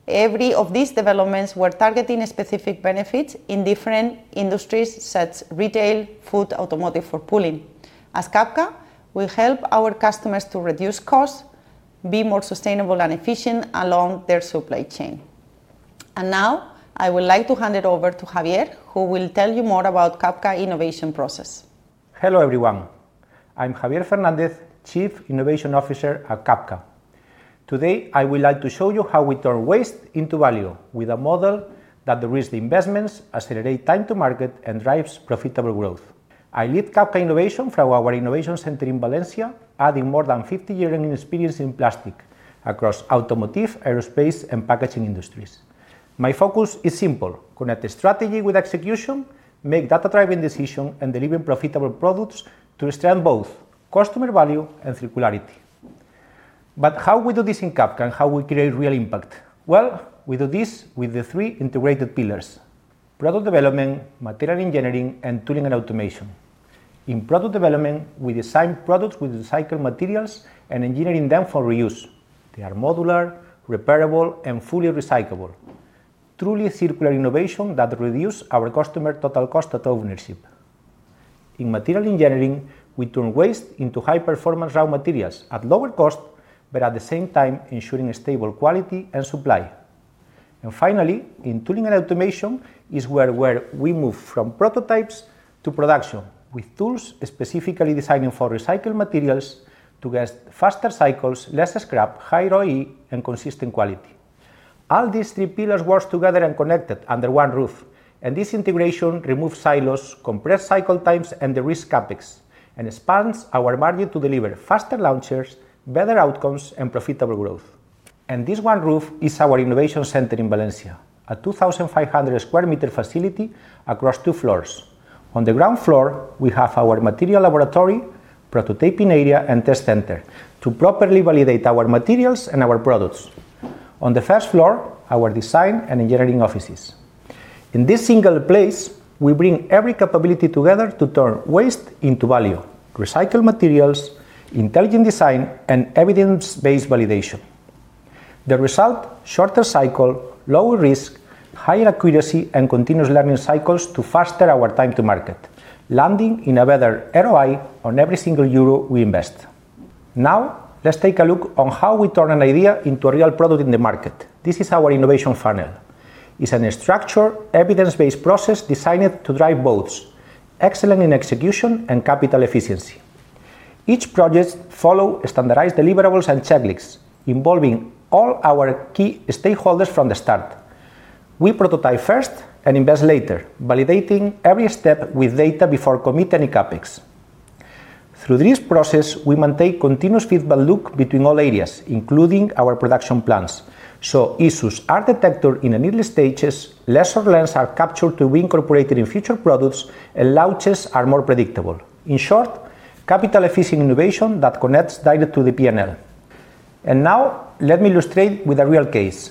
S4: every of these developments were targeting specific benefits in different industries, such as retail, food, automotive, or pooling. As Cabka, we help our customers to reduce costs, be more sustainable, and efficient along their supply chain. Now, I would like to hand it over to Javier, who will tell you more about the Cabka innovation process.
S5: Hello everyone. I'm Javier Fernández, Chief Innovation Officer at Cabka. Today, I would like to show you how we turn waste into value with a model that reduces investments, accelerates time to market, and drives profitable growth. I lead Cabka Innovation from our Innovation Center in Valencia, adding more than 50 years of experience in plastic across automotive, aerospace, and packaging industries. My focus is simple: connect the strategy with execution, make data-driven decisions, and deliver profitable products to extend both customer value and circularity. How do we do this in Cabka and how do we create real impact? We do this with the three integrated pillars: product development, material engineering, and tooling and automation. In product development, we design products with recycled materials and engineer them for reuse. They are modular, repairable, and fully recyclable, truly circular innovation that reduces our customer total cost of ownership. In material engineering, we turn waste into high-performance raw materials at lower cost, but at the same time, ensuring stable quality and supply. Finally, in tooling and automation is where we move from prototypes to production with tools specifically designed for recycled materials to get faster cycles, less scrap, higher OEE, and consistent quality. All these three pillars work together and are connected under one roof, and this integration removes silos, compresses cycle times, and reduces CapEx, and expands our margin to deliver faster launches, better outcomes, and profitable growth. This one roof is our Innovation Center in Valencia, a 2,500 sq m facility across two floors. On the ground floor, we have our material laboratory, prototyping area, and test center to properly validate our materials and our products. On the first floor, our design and engineering offices. In this single place, we bring every capability together to turn waste into value, recycled materials, intelligent design, and evidence-based validation. The result: shorter cycle, lower risk, higher accuracy, and continuous learning cycles to faster our time to market, landing in a better ROI on every single EUR we invest. Now, let's take a look on how we turn an idea into a real product in the market. This is our innovation funnel. It's a structured, evidence-based process designed to drive both excellent execution and capital efficiency. Each project follows standardized deliverables and checklists involving all our key stakeholders from the start. We prototype first and invest later, validating every step with data before committing any CapEx. Through this process, we maintain a continuous feedback loop between all areas, including our production plans. Issues are detected in the early stages, lesser learnings are captured to be incorporated in future products, and launches are more predictable. In short, capital-efficient innovation that connects directly to the P&L. Let me illustrate with a real case: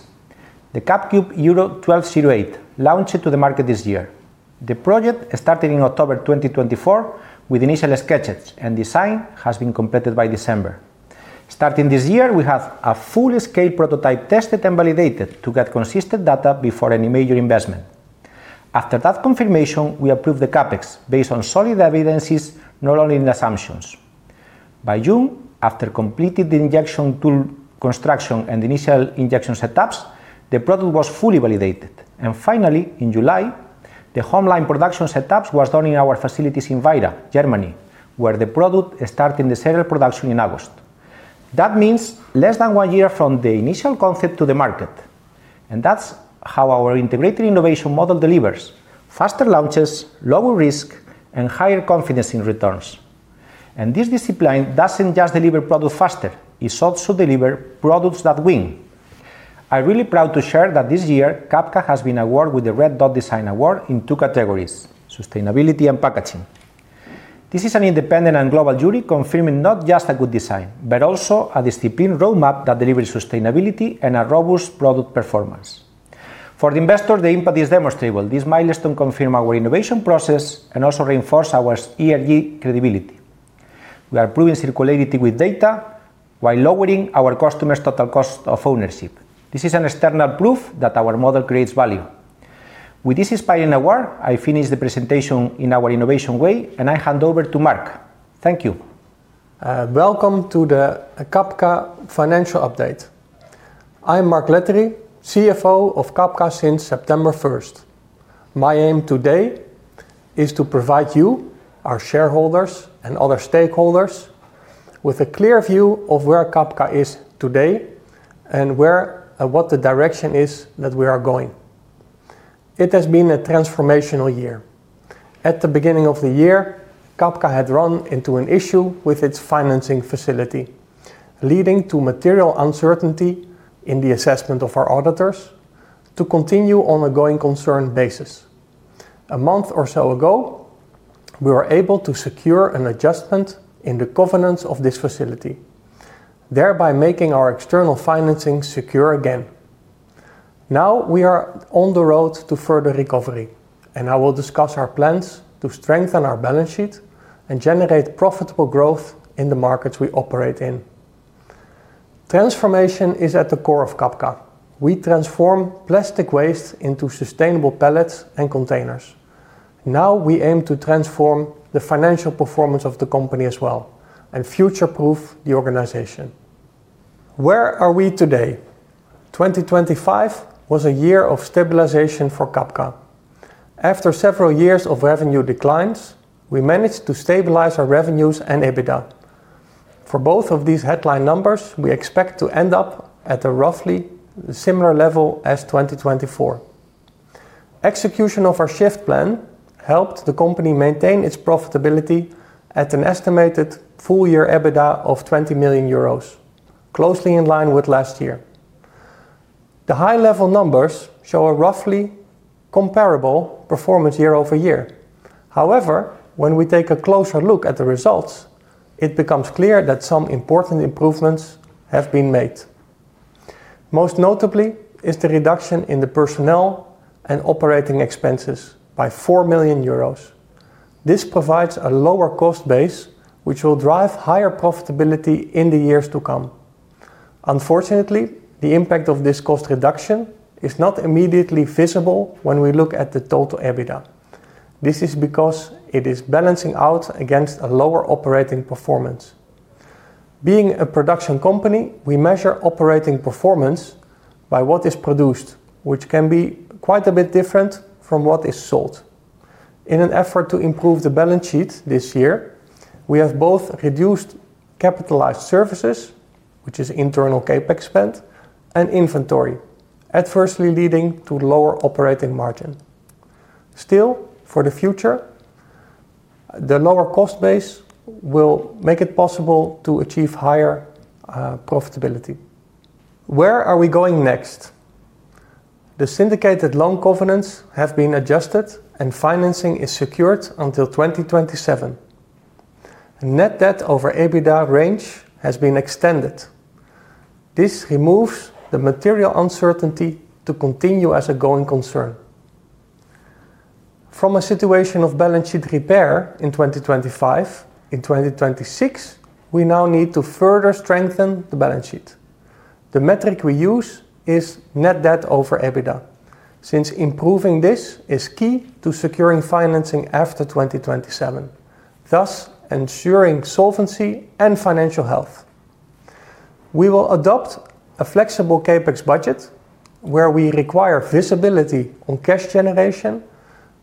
S5: the CapQ 1208 launched to the market this year. The project started in October 2024 with initial sketches, and design has been completed by December. Starting this year, we have a full-scale prototype tested and validated to get consistent data before any major investment. After that confirmation, we approved the CapEx based on solid evidence, not only in assumptions. By June, after completing the injection tool construction and initial injection setups, the product was fully validated. Finally, in July, the home line production setup was done in our facilities in Weider, Germany, where the product started in serial production in August. That means less than one year from the initial concept to the market. That is how our integrated innovation model delivers: faster launches, lower risk, and higher confidence in returns. This discipline does not just deliver products faster; it also delivers products that win. I am really proud to share that this year, Cabka has been awarded with the Red Dot Design Award in two categories: sustainability and packaging. This is an independent and global jury confirming not just a good design, but also a disciplined roadmap that delivers sustainability and a robust product performance. For the investor, the impact is demonstrable. This milestone confirms our innovation process and also reinforces our ESG credibility. We are proving circularity with data while lowering our customers' total cost of ownership. This is external proof that our model creates value. With this inspiring award, I finish the presentation in our innovation way, and I hand over to Mark. Thank you.
S6: Welcome to the Cabka financial update. I am Mark Letterie, CFO of Cabka since September 1st. My aim today is to provide you, our shareholders, and other stakeholders with a clear view of where Cabka is today and what the direction is that we are going. It has been a transformational year. At the beginning of the year, Cabka had run into an issue with its financing facility, leading to material uncertainty in the assessment of our auditors to continue on a going concern basis. A month or so ago, we were able to secure an adjustment in the covenants of this facility, thereby making our external financing secure again. Now, we are on the road to further recovery, and I will discuss our plans to strengthen our balance sheet and generate profitable growth in the markets we operate in. Transformation is at the core of Cabka. We transform plastic waste into sustainable pallets and containers. Now, we aim to transform the financial performance of the company as well and future-proof the organization. Where are we today? 2025 was a year of stabilization for Cabka. After several years of revenue declines, we managed to stabilize our revenues and EBITDA. For both of these headline numbers, we expect to end up at a roughly similar level as 2024. Execution of our shift plan helped the company maintain its profitability at an estimated full-year EBITDA of 20 million euros, closely in line with last year. The high-level numbers show a roughly comparable performance year over year. However, when we take a closer look at the results, it becomes clear that some important improvements have been made. Most notably is the reduction in the personnel and operating expenses by 4 million euros. This provides a lower cost base, which will drive higher profitability in the years to come. Unfortunately, the impact of this cost reduction is not immediately visible when we look at the total EBITDA. This is because it is balancing out against a lower operating performance. Being a production company, we measure operating performance by what is produced, which can be quite a bit different from what is sold. In an effort to improve the balance sheet this year, we have both reduced capitalized services, which is internal CapEx spent, and inventory, adversely leading to lower operating margin. Still, for the future, the lower cost base will make it possible to achieve higher profitability. Where are we going next? The syndicated loan covenants have been adjusted, and financing is secured until 2027. Net debt over EBITDA range has been extended. This removes the material uncertainty to continue as a going concern. From a situation of balance sheet repair in 2025, in 2026, we now need to further strengthen the balance sheet. The metric we use is net debt over EBITDA, since improving this is key to securing financing after 2027, thus ensuring solvency and financial health. We will adopt a flexible CapEx budget where we require visibility on cash generation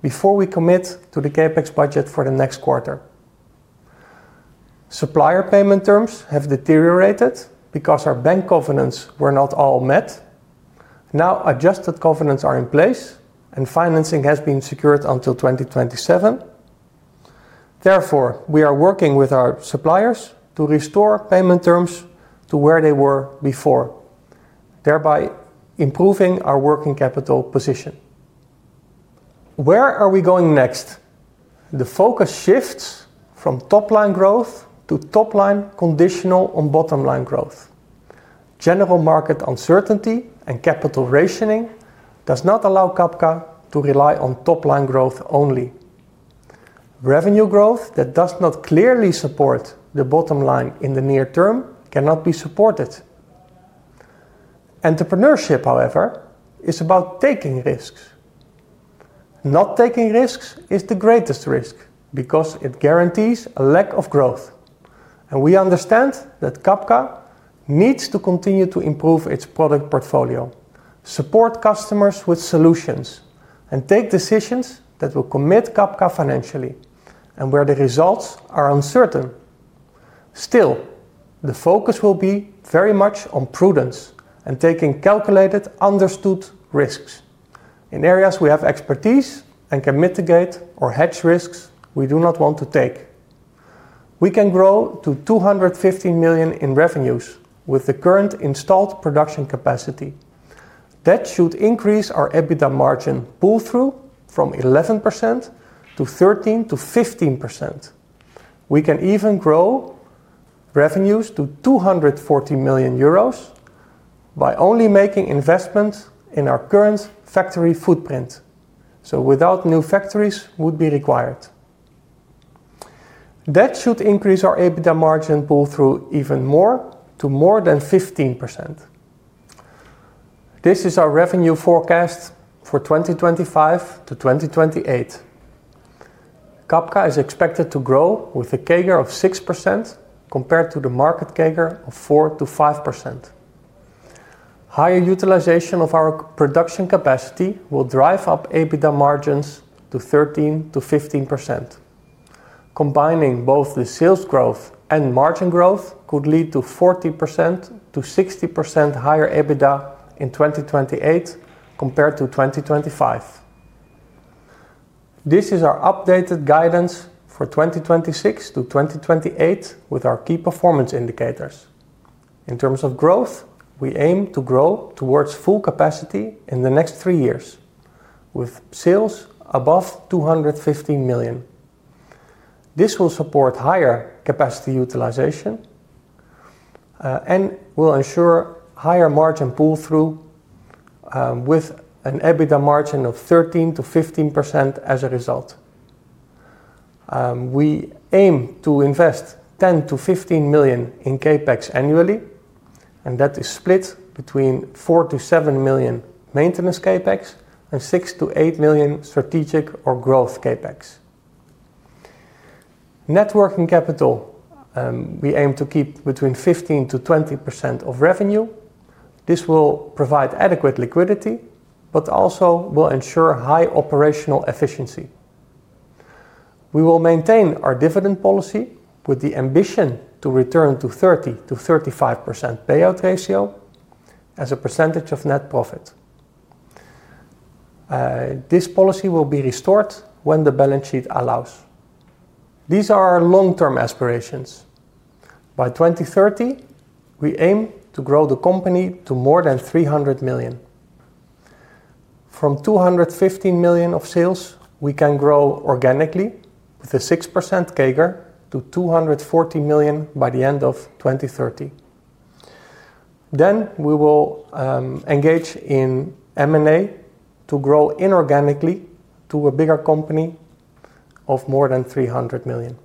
S6: before we commit to the CapEx budget for the next quarter. Supplier payment terms have deteriorated because our bank covenants were not all met. Now, adjusted covenants are in place, and financing has been secured until 2027. Therefore, we are working with our suppliers to restore payment terms to where they were before, thereby improving our working capital position. Where are we going next? The focus shifts from top-line growth to top-line conditional on bottom-line growth. General market uncertainty and capital rationing do not allow Cabka to rely on top-line growth only. Revenue growth that does not clearly support the bottom line in the near term cannot be supported. Entrepreneurship, however, is about taking risks. Not taking risks is the greatest risk because it guarantees a lack of growth. We understand that Cabka needs to continue to improve its product portfolio, support customers with solutions, and take decisions that will commit Cabka financially and where the results are uncertain. Still, the focus will be very much on prudence and taking calculated, understood risks in areas we have expertise and can mitigate or hedge risks we do not want to take. We can grow to 215 million in revenues with the current installed production capacity. That should increase our EBITDA margin pull-through from 11% to 13% to 15%. We can even grow revenues to 240 million euros by only making investments in our current factory footprint, so without new factories would be required. That should increase our EBITDA margin pull-through even more to more than 15%. This is our revenue forecast for 2025 to 2028. Cabka is expected to grow with a CAGR of 6% compared to the market CAGR of 4%-5%. Higher utilization of our production capacity will drive up EBITDA margins to 13%-15%. Combining both the sales growth and margin growth could lead to 40%-60% higher EBITDA in 2028 compared to 2025. This is our updated guidance for 2026 to 2028 with our key performance indicators. In terms of growth, we aim to grow towards full capacity in the next three years with sales above 215 million. This will support higher capacity utilization and will ensure higher margin pull-through with an EBITDA margin of 13%-15% as a result. We aim to invest 10 million-15 million in capex annually, and that is split between 4 million-7 million maintenance capex and 6 million-8 million strategic or growth capex. Networking capital, we aim to keep between 15%-20% of revenue. This will provide adequate liquidity, but also will ensure high operational efficiency. We will maintain our dividend policy with the ambition to return to 30%-35% payout ratio as a percentage of net profit. This policy will be restored when the balance sheet allows. These are our long-term aspirations. By 2030, we aim to grow the company to more than 300 million. From 215 million of sales, we can grow organically with a 6% CAGR to 240 million by the end of 2030. We will engage in M&A to grow inorganically to a bigger company of more than 300 million.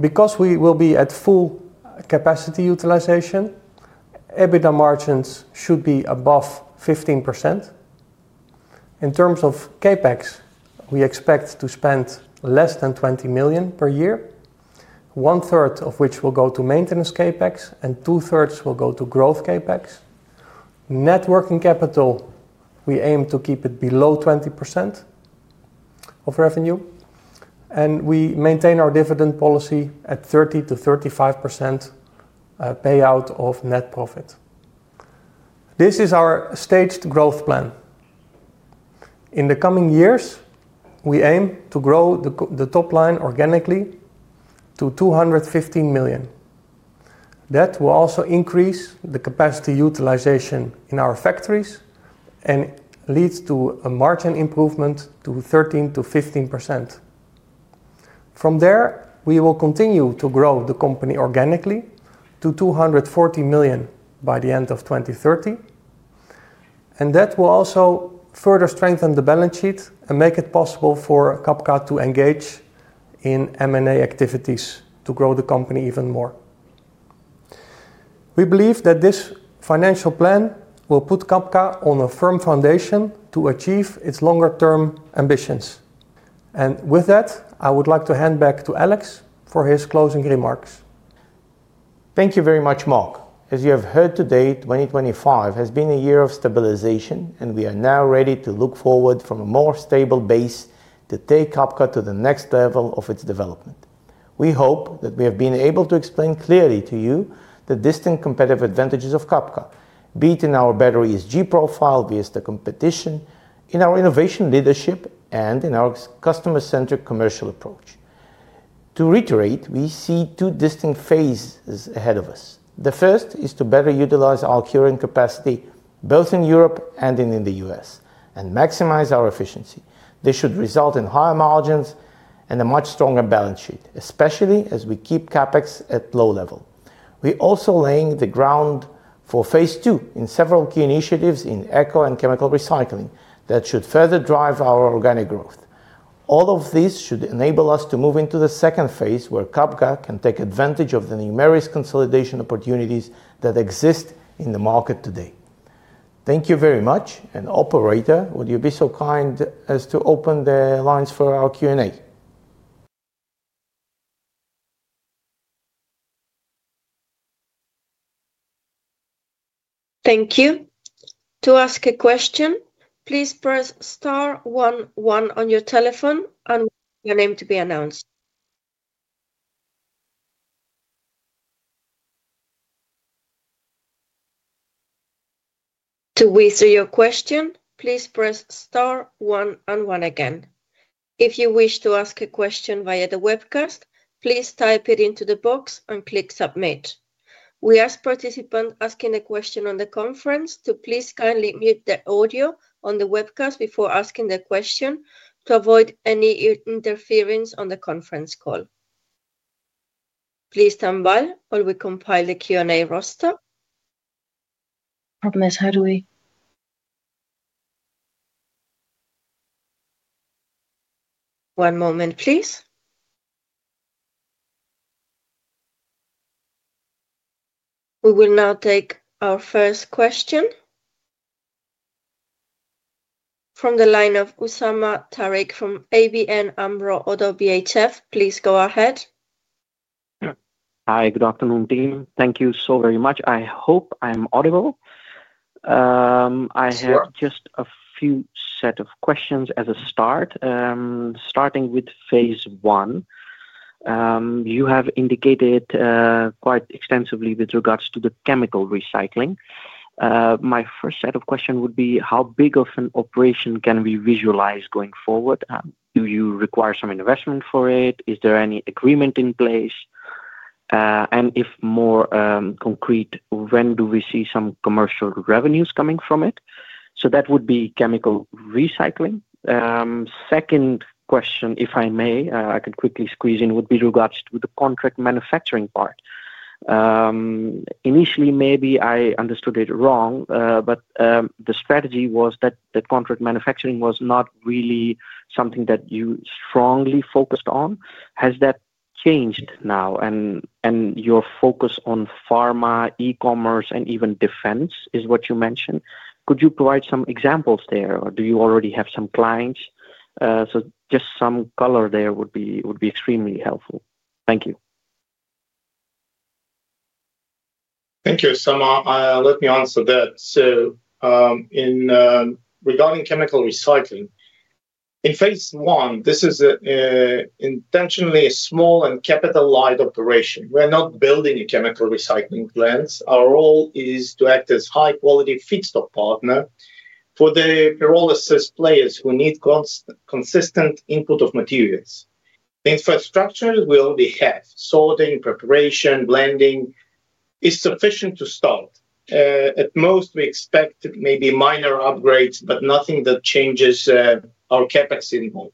S6: Because we will be at full capacity utilization, EBITDA margins should be above 15%. In terms of CapEx, we expect to spend less than 20 million per year, one-third of which will go to maintenance CapEx and two-thirds will go to growth CapEx. Networking capital, we aim to keep it below 20% of revenue, and we maintain our dividend policy at 30%-35% payout of net profit. This is our staged growth plan. In the coming years, we aim to grow the top line organically to 215 million. That will also increase the capacity utilization in our factories and lead to a margin improvement to 13%-15%. From there, we will continue to grow the company organically to 240 million by the end of 2030. That will also further strengthen the balance sheet and make it possible for Cabka to engage in M&A activities to grow the company even more. We believe that this financial plan will put Cabka on a firm foundation to achieve its longer-term ambitions. With that, I would like to hand back to Alex for his closing remarks.
S1: Thank you very much, Mark. As you have heard today, 2025 has been a year of stabilization, and we are now ready to look forward from a more stable base to take Cabka to the next level of its development. We hope that we have been able to explain clearly to you the distinct competitive advantages of Cabka, be it in our better ESG profile, be it the competition, in our innovation leadership, and in our customer-centric commercial approach. To reiterate, we see two distinct phases ahead of us. The first is to better utilize our current capacity both in Europe and in the U.S. and maximize our efficiency. This should result in higher margins and a much stronger balance sheet, especially as we keep CapEx at low level. We are also laying the ground for phase II in several key initiatives in eco and chemical recycling that should further drive our organic growth. All of this should enable us to move into the second phase where Cabka can take advantage of the numerous consolidation opportunities that exist in the market today. Thank you very much. Operator, would you be so kind as to open the lines for our Q&A?
S7: Thank you. To ask a question, please press star 11 on your telephone and wait for your name to be announced. To whisper your question, please press star 11 again. If you wish to ask a question via the webcast, please type it into the box and click submit. We ask participants asking a question on the conference to please kindly mute the audio on the webcast before asking the question to avoid any interference on the conference call. Please stand by while we compile the Q&A roster. Problem is, how do we? One moment, please. We will now take our first question from the line of Usama Tariq from ABN AMRO - ODDO BHF. Please go ahead.
S8: Hi, good afternoon, team. Thank you so very much. I hope I'm audible. I have just a few set of questions as a start. Starting with phase I, you have indicated quite extensively with regards to the chemical recycling. My first set of questions would be, how big of an operation can we visualize going forward? Do you require some investment for it? Is there any agreement in place? If more concrete, when do we see some commercial revenues coming from it? That would be chemical recycling. Second question, if I may, I can quickly squeeze in, would be regards to the contract manufacturing part. Initially, maybe I understood it wrong, but the strategy was that contract manufacturing was not really something that you strongly focused on. Has that changed now? Your focus on pharma, e-commerce, and even defense is what you mentioned. Could you provide some examples there, or do you already have some clients? Just some color there would be extremely helpful. Thank you.
S1: Thank you, Usama. Let me answer that. Regarding chemical recycling, in phase I, this is intentionally a small and capital-light operation. We are not building a chemical recycling plant. Our role is to act as a high-quality feedstock partner for the pyrolysis players who need consistent input of materials. The infrastructure we already have, sorting, preparation, blending, is sufficient to start. At most, we expect maybe minor upgrades, but nothing that changes our CapEx involved.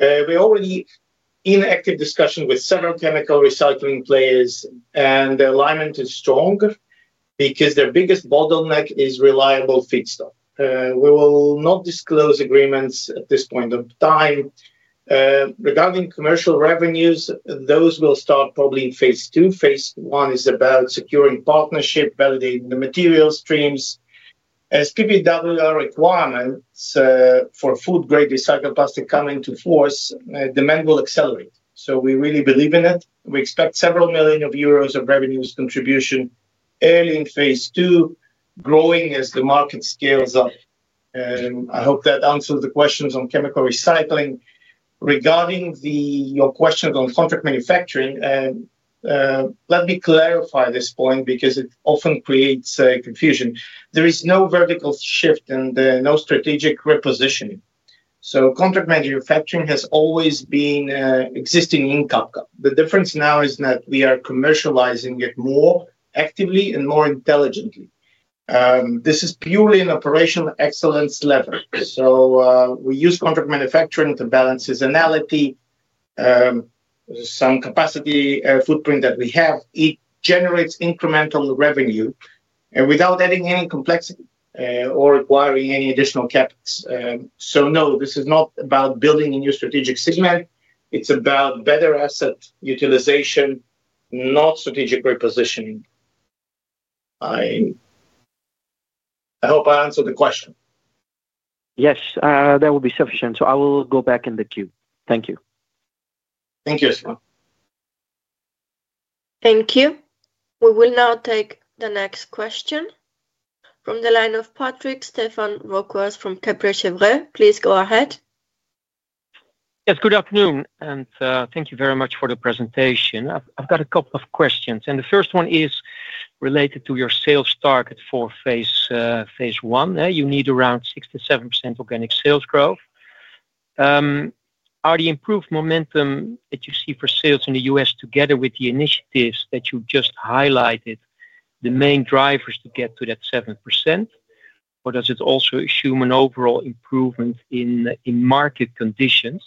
S1: We are already in active discussion with several chemical recycling players, and the alignment is strong because their biggest bottleneck is reliable feedstock. We will not disclose agreements at this point of time. Regarding commercial revenues, those will start probably in phase II. Phase I is about securing partnership, validating the material streams. As PPWR requirements for food-grade recycled plastic come into force, demand will accelerate. We really believe in it. We expect several million EUR of revenues contribution early in phase II, growing as the market scales up. I hope that answers the questions on chemical recycling. Regarding your questions on contract manufacturing, let me clarify this point because it often creates confusion. There is no vertical shift and no strategic repositioning. Contract manufacturing has always been existing in Cabka. The difference now is that we are commercializing it more actively and more intelligently. This is purely an operational excellence level. We use contract manufacturing to balance seasonality. Some capacity footprint that we have, it generates incremental revenue without adding any complexity or requiring any additional CapEx. No, this is not about building a new strategic segment. It is about better asset utilization, not strategic repositioning. I hope I answered the question.
S8: Yes, that will be sufficient. I will go back in the queue. Thank you.
S1: Thank you, Usama.
S7: Thank you. We will now take the next question from the line of Patrick Stéphane Roquas from Kepler Cheuvreux. Please go ahead.
S9: Yes, good afternoon, and thank you very much for the presentation. I've got a couple of questions. The first one is related to your sales target for phase I. You need around 6%-7% organic sales growth. Are the improved momentum that you see for sales in the US, together with the initiatives that you just highlighted, the main drivers to get to that 7%? Does it also assume an overall improvement in market conditions?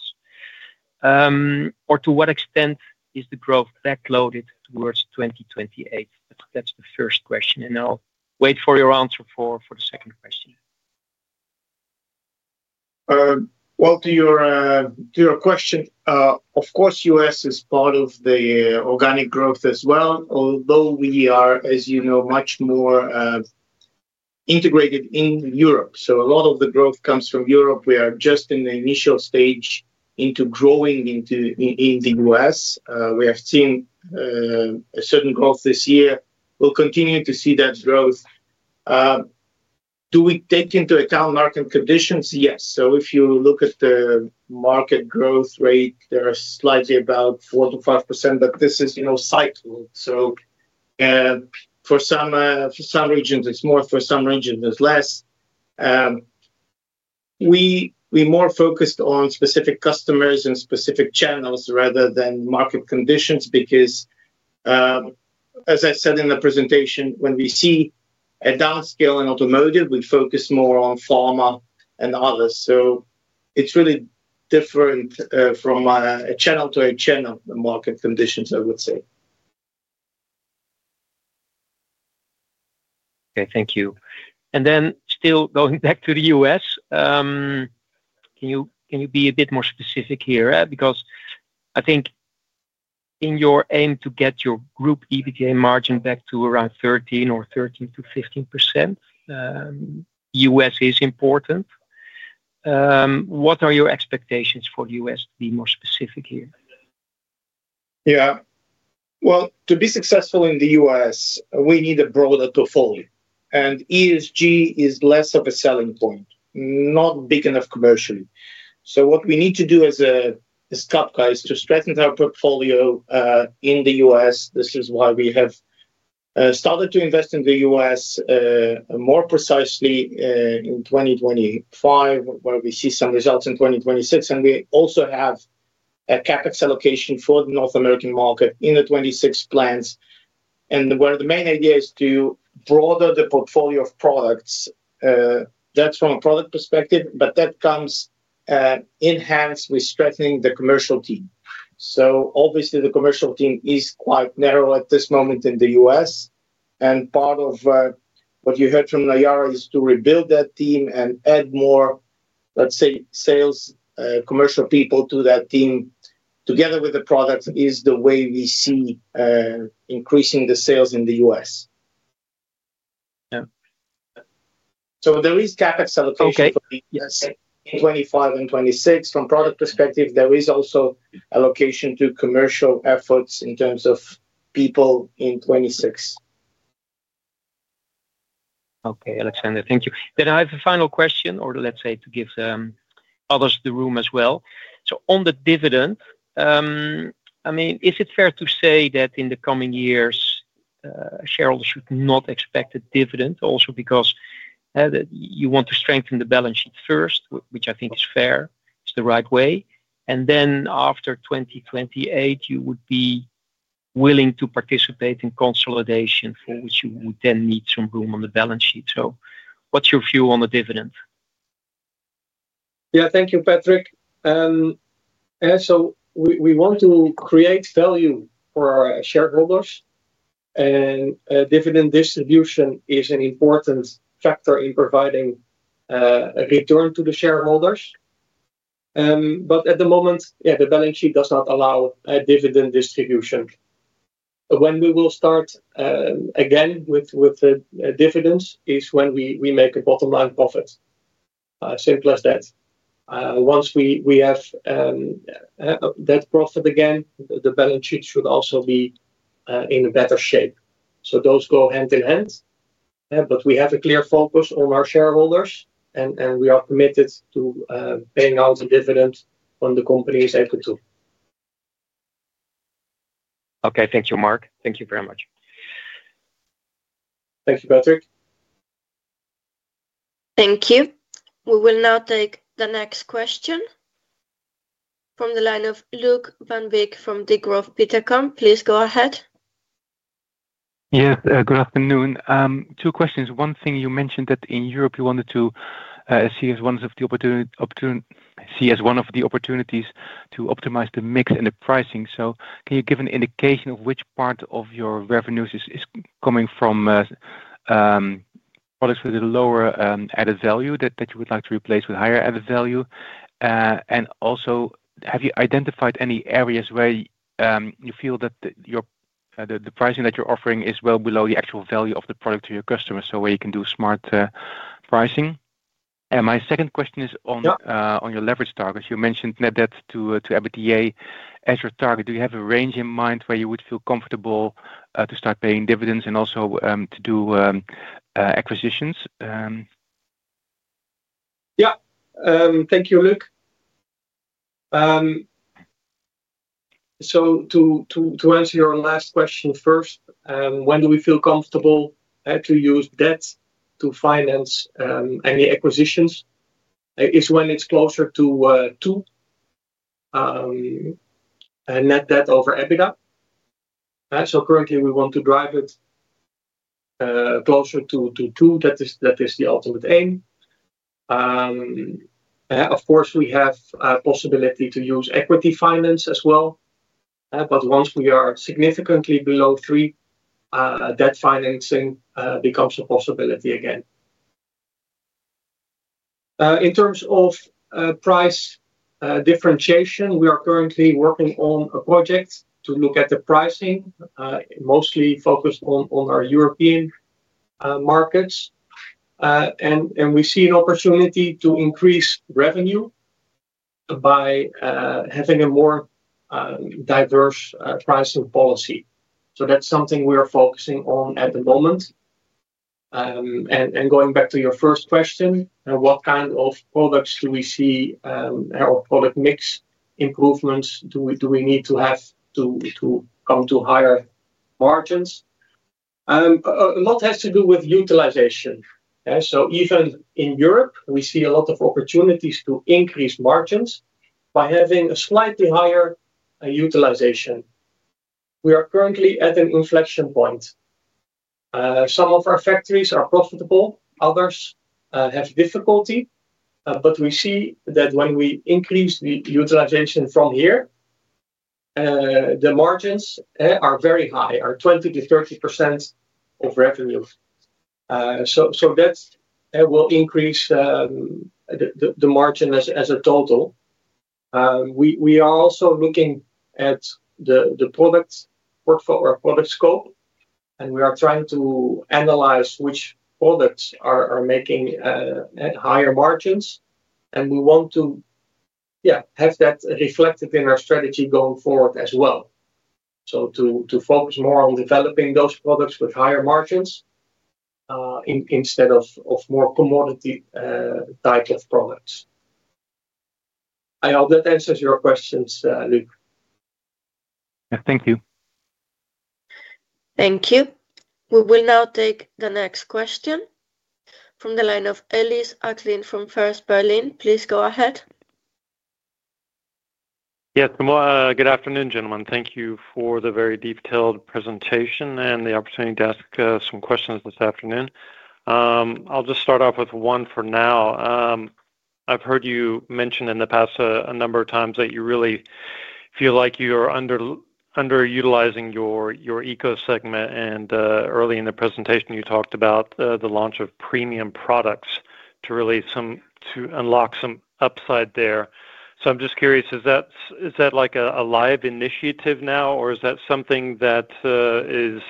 S9: To what extent is the growth backloaded towards 2028? That's the first question. I'll wait for your answer for the second question.
S1: To your question, of course, US is part of the organic growth as well, although we are, as you know, much more integrated in Europe. So a lot of the growth comes from Europe. We are just in the initial stage into growing in the US. We have seen a certain growth this year. We'll continue to see that growth. Do we take into account market conditions? Yes. If you look at the market growth rate, there are slightly about 4-5%, but this is cyclical. For some regions, it's more; for some regions, it's less. We are more focused on specific customers and specific channels rather than market conditions because, as I said in the presentation, when we see a downscale in automotive, we focus more on pharma and others. It's really different from a channel to a channel market conditions, I would say.
S9: Okay, thank you. Still going back to the U.S., can you be a bit more specific here? Because I think in your aim to get your group EBITDA margin back to around 13% or 13%-15%, U.S. is important. What are your expectations for the U.S., to be more specific here?
S1: Yeah. To be successful in the U.S., we need a broader portfolio. ESG is less of a selling point, not big enough commercially. What we need to do as Cabka is to strengthen our portfolio in the U.S. This is why we have started to invest in the U.S., more precisely in 2025, where we see some results in 2026. We also have a CapEx allocation for the North American market in the 2026 plans. The main idea is to broaden the portfolio of products, that's from a product perspective, but that comes enhanced with strengthening the commercial team. Obviously, the commercial team is quite narrow at this moment in the US. Part of what you heard from Naiara is to rebuild that team and add more, let's say, sales commercial people to that team together with the products. That is the way we see increasing the sales in the US. There is CapEx allocation for the US in 2025 and 2026. From a product perspective, there is also allocation to commercial efforts in terms of people in 2026.
S9: Okay, Alexander, thank you. I have a final question, or let's say to give others the room as well. On the dividend, I mean, is it fair to say that in the coming years, shareholders should not expect a dividend also because you want to strengthen the balance sheet first, which I think is fair, is the right way? After 2028, you would be willing to participate in consolidation for which you would then need some room on the balance sheet. What's your view on the dividend?
S6: Yeah, thank you, Patrick. We want to create value for our shareholders, and dividend distribution is an important factor in providing a return to the shareholders. At the moment, the balance sheet does not allow dividend distribution. When we will start again with dividends is when we make a bottom-line profit. Simple as that. Once we have that profit again, the balance sheet should also be in a better shape. Those go hand in hand, but we have a clear focus on our shareholders, and we are committed to paying out a dividend when the company is able to.
S9: Okay, thank you, Mark. Thank you very much.
S6: Thank you, Patrick.
S7: Thank you. We will now take the next question from the line of Luuk Van Beek from Degroof Petercam. Please go ahead.
S10: Yes, good afternoon. Two questions. One thing you mentioned that in Europe you wanted to see as one of the opportunities to optimize the mix and the pricing. Can you give an indication of which part of your revenues is coming from products with a lower added value that you would like to replace with higher added value? Have you identified any areas where you feel that the pricing that you're offering is well below the actual value of the product to your customers, so where you can do smart pricing? My second question is on your leverage targets. You mentioned net debt to EBITDA as your target. Do you have a range in mind where you would feel comfortable to start paying dividends and also to do acquisitions?
S6: Thank you, Luke. To answer your last question first, when do we feel comfortable to use debt to finance any acquisitions? It is when it is closer to two, net debt over EBITDA. Currently, we want to drive it closer to two. That is the ultimate aim. Of course, we have a possibility to use equity finance as well. Once we are significantly below three, debt financing becomes a possibility again. In terms of price differentiation, we are currently working on a project to look at the pricing, mostly focused on our European markets. We see an opportunity to increase revenue by having a more diverse pricing policy. That is something we are focusing on at the moment. Going back to your first question, what kind of products do we see or product mix improvements do we need to have to come to higher margins? A lot has to do with utilization. Even in Europe, we see a lot of opportunities to increase margins by having a slightly higher utilization. We are currently at an inflection point. Some of our factories are profitable. Others have difficulty. We see that when we increase the utilization from here, the margins are very high, are 20%-30% of revenue. That will increase the margin as a total. We are also looking at the product portfolio or product scope, and we are trying to analyze which products are making higher margins. We want to, yeah, have that reflected in our strategy going forward as well. To focus more on developing those products with higher margins instead of more commodity type of products. I hope that answers your questions, Luke.
S10: Thank you.
S7: Thank you. We will now take the next question from the line of Ellis Acklin from First Berlin. Please go ahead.
S11: Yes, good afternoon, gentlemen. Thank you for the very detailed presentation and the opportunity to ask some questions this afternoon. I'll just start off with one for now. I've heard you mention in the past a number of times that you really feel like you are underutilizing your eco segment. Early in the presentation, you talked about the launch of premium products to really unlock some upside there. I'm just curious, is that like a live initiative now, or is that something that is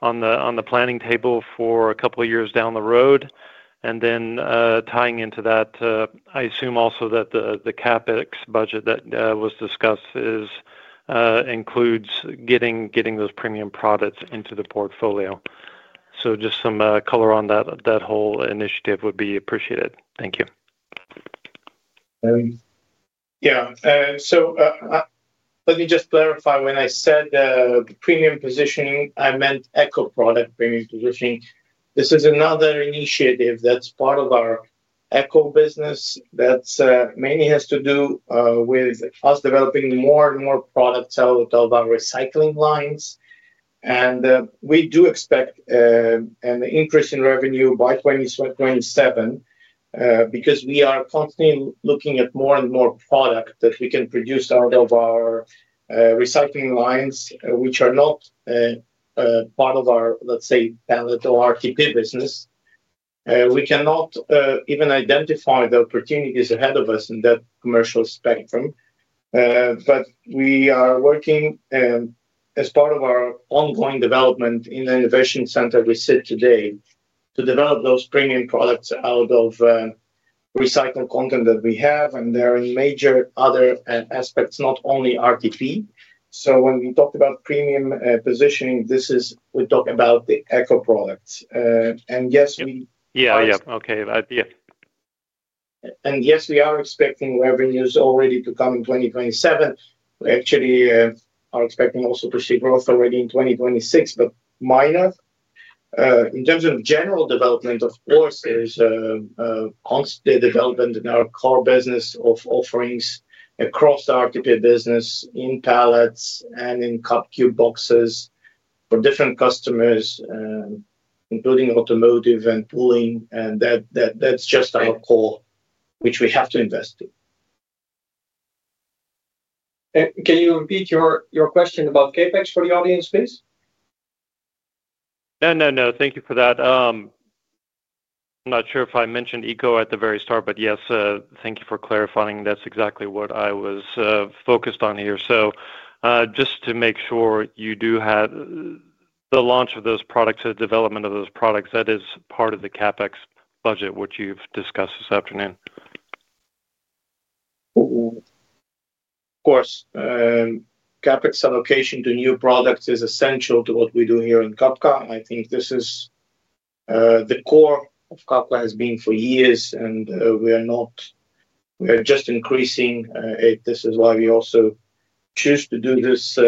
S11: on the planning table for a couple of years down the road? Tying into that, I assume also that the CapEx budget that was discussed includes getting those premium products into the portfolio. Just some color on that whole initiative would be appreciated. Thank you.
S1: Yeah. Let me just clarify. When I said premium positioning, I meant eco product premium positioning. This is another initiative that's part of our eco business that mainly has to do with us developing more and more products out of our recycling lines. We do expect an increase in revenue by 2027 because we are constantly looking at more and more product that we can produce out of our recycling lines, which are not part of our, let's say, pallet or RTP business. We cannot even identify the opportunities ahead of us in that commercial spectrum. We are working as part of our ongoing development in the innovation center we sit today to develop those premium products out of recycled content that we have. There are major other aspects, not only RTP. When we talk about premium positioning, this is we talk about the eco products. Yes, we—
S11: Yeah, yeah. Okay. Yeah.
S1: Yes, we are expecting revenues already to come in 2027. We actually are expecting also to see growth already in 2026, but minor. In terms of general development, of course, there's constantly development in our core business of offerings across the RTP business in pallets and in CapQ boxes for different customers, including automotive and pooling. That's just our core, which we have to invest in. Can you repeat your question about CapEx for the audience, please?
S11: No, no, no. Thank you for that. I'm not sure if I mentioned Eco at the very start, but yes, thank you for clarifying. That's exactly what I was focused on here. Just to make sure you do have the launch of those products and the development of those products, that is part of the CapEx budget, which you've discussed this afternoon. Of course. CapEx allocation to new products is essential to what we do here in Cabka.
S1: I think this is the core of Cabka has been for years, and we are just increasing it. This is why we also choose to do this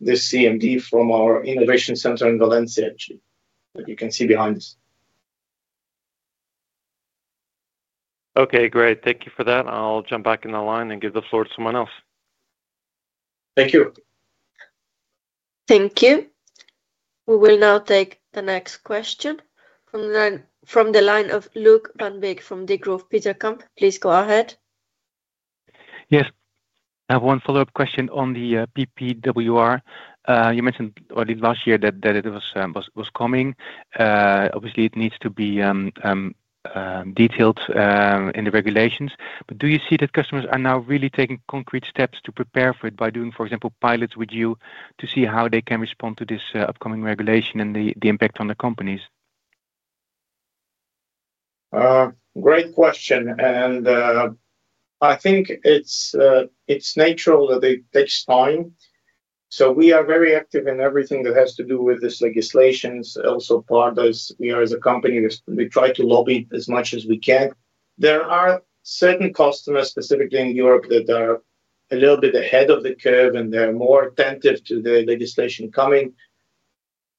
S1: CMD from our innovation center in Valencia, actually, that you can see behind us.
S11: Okay, great. Thank you for that. I'll jump back in the line and give the floor to someone else.
S1: Thank you.
S7: Thank you. We will now take the next question from the line of Luuk Van Beek from Degroof Petercam. Please go ahead.
S10: Yes. I have one follow-up question on the PPWR. You mentioned early last year that it was coming. Obviously, it needs to be detailed in the regulations. Do you see that customers are now really taking concrete steps to prepare for it by doing, for example, pilots with you to see how they can respond to this upcoming regulation and the impact on the companies?
S1: Great question. I think it's natural that it takes time. We are very active in everything that has to do with this legislation. Also, as a company, we try to lobby as much as we can. There are certain customers, specifically in Europe, that are a little bit ahead of the curve, and they're more attentive to the legislation coming.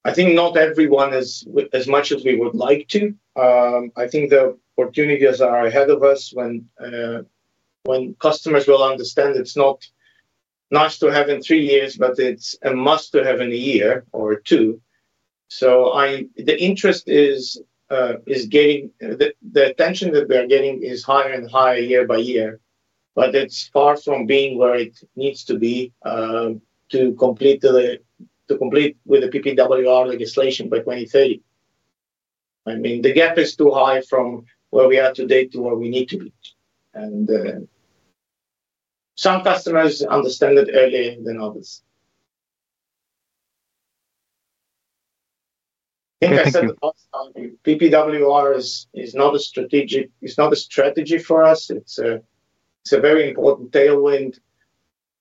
S1: I think not everyone is as much as we would like to. I think the opportunities are ahead of us when customers will understand it's not nice to have in three years, but it's a must to have in a year or two. The interest is getting, the attention that they're getting is higher and higher year by year, but it's far from being where it needs to be to complete with the PPWR legislation by 2030. I mean, the gap is too high from where we are today to where we need to be. And some customers understand it earlier than others. I think I said the last time, PPWR is not a strategic—it's not a strategy for us. It's a very important tailwind,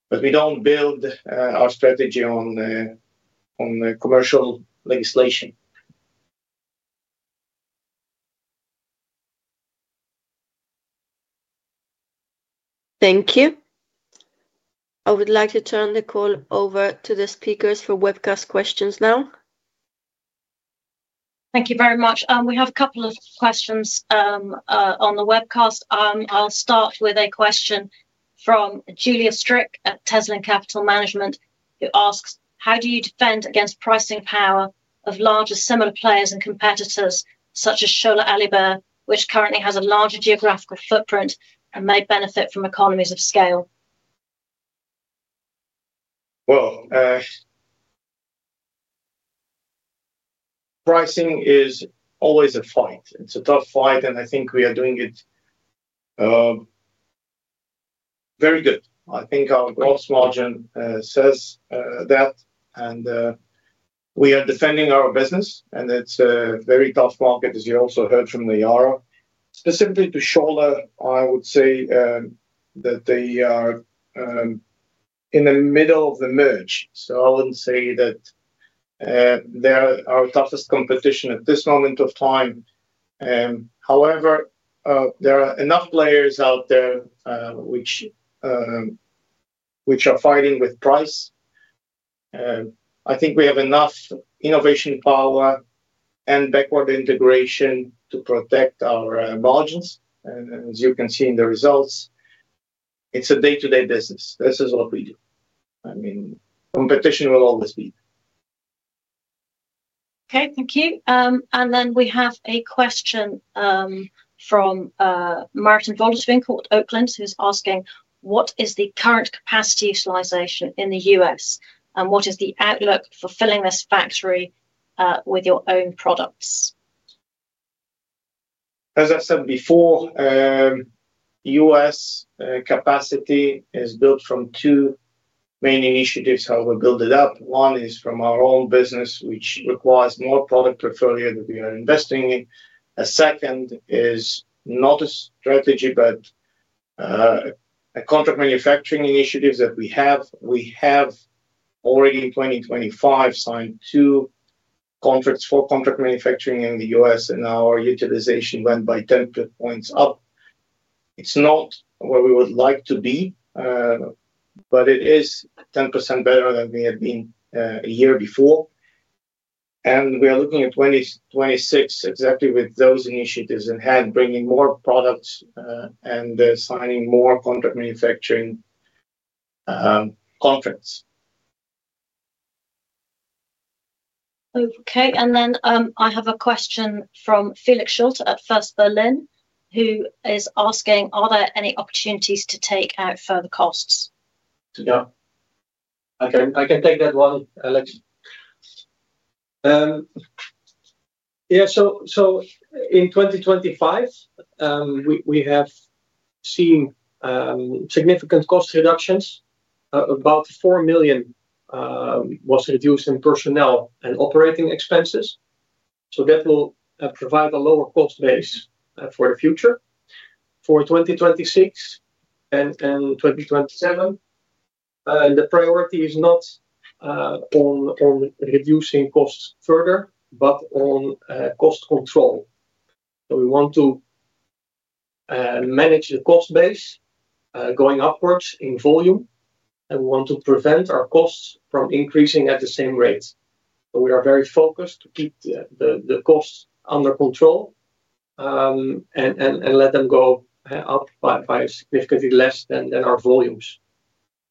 S1: but we don't build our strategy on commercial legislation.
S7: Thank you. I would like to turn the call over to the speakers for webcast questions now.
S12: Thank you very much. We have a couple of questions on the webcast. I'll start with a question from Julia Strick at Teslin Capital Management, who asks, "How do you defend against pricing power of larger similar players and competitors such as Schoeller Allibert, which currently has a larger geographical footprint and may benefit from economies of scale?"
S1: Pricing is always a fight. It's a tough fight, and I think we are doing it very good. I think our gross margin says that, and we are defending our business, and it's a very tough market, as you also heard from Naiara. Specifically to Schoeller Allibert, I would say that they are in the middle of the merge. I would not say that they are our toughest competition at this moment of time. However, there are enough players out there which are fighting with price. I think we have enough innovation power and backward integration to protect our margins. As you can see in the results, it's a day-to-day business. This is what we do. I mean, competition will always be.
S12: Okay, thank you. We have a question from Martin Volderswinkle at Oakland, who's asking, "What is the current capacity utilization in the US, and what is the outlook for filling this factory with your own products?"
S1: As I said before, US capacity is built from two main initiatives how we build it up. One is from our own business, which requires more product portfolio that we are investing in. A second is not a strategy, but a contract manufacturing initiative that we have. We have already in 2025 signed two contracts for contract manufacturing in the US, and our utilization went by 10 percentage points up. It's not where we would like to be, but it is 10% better than we had been a year before. We are looking at 2026 exactly with those initiatives in hand, bringing more products and signing more contract manufacturing contracts.
S12: Okay. I have a question from Felix Schulter at First Berlin, who is asking, "Are there any opportunities to take out further costs?"
S6: Yeah. I can take that one, Alex. Yeah. In 2025, we have seen significant cost reductions. About 4 million was reduced in personnel and operating expenses. That will provide a lower cost base for the future. For 2026 and 2027, the priority is not on reducing costs further, but on cost control. We want to manage the cost base going upwards in volume, and we want to prevent our costs from increasing at the same rate. We are very focused to keep the costs under control and let them go up by significantly less than our volumes.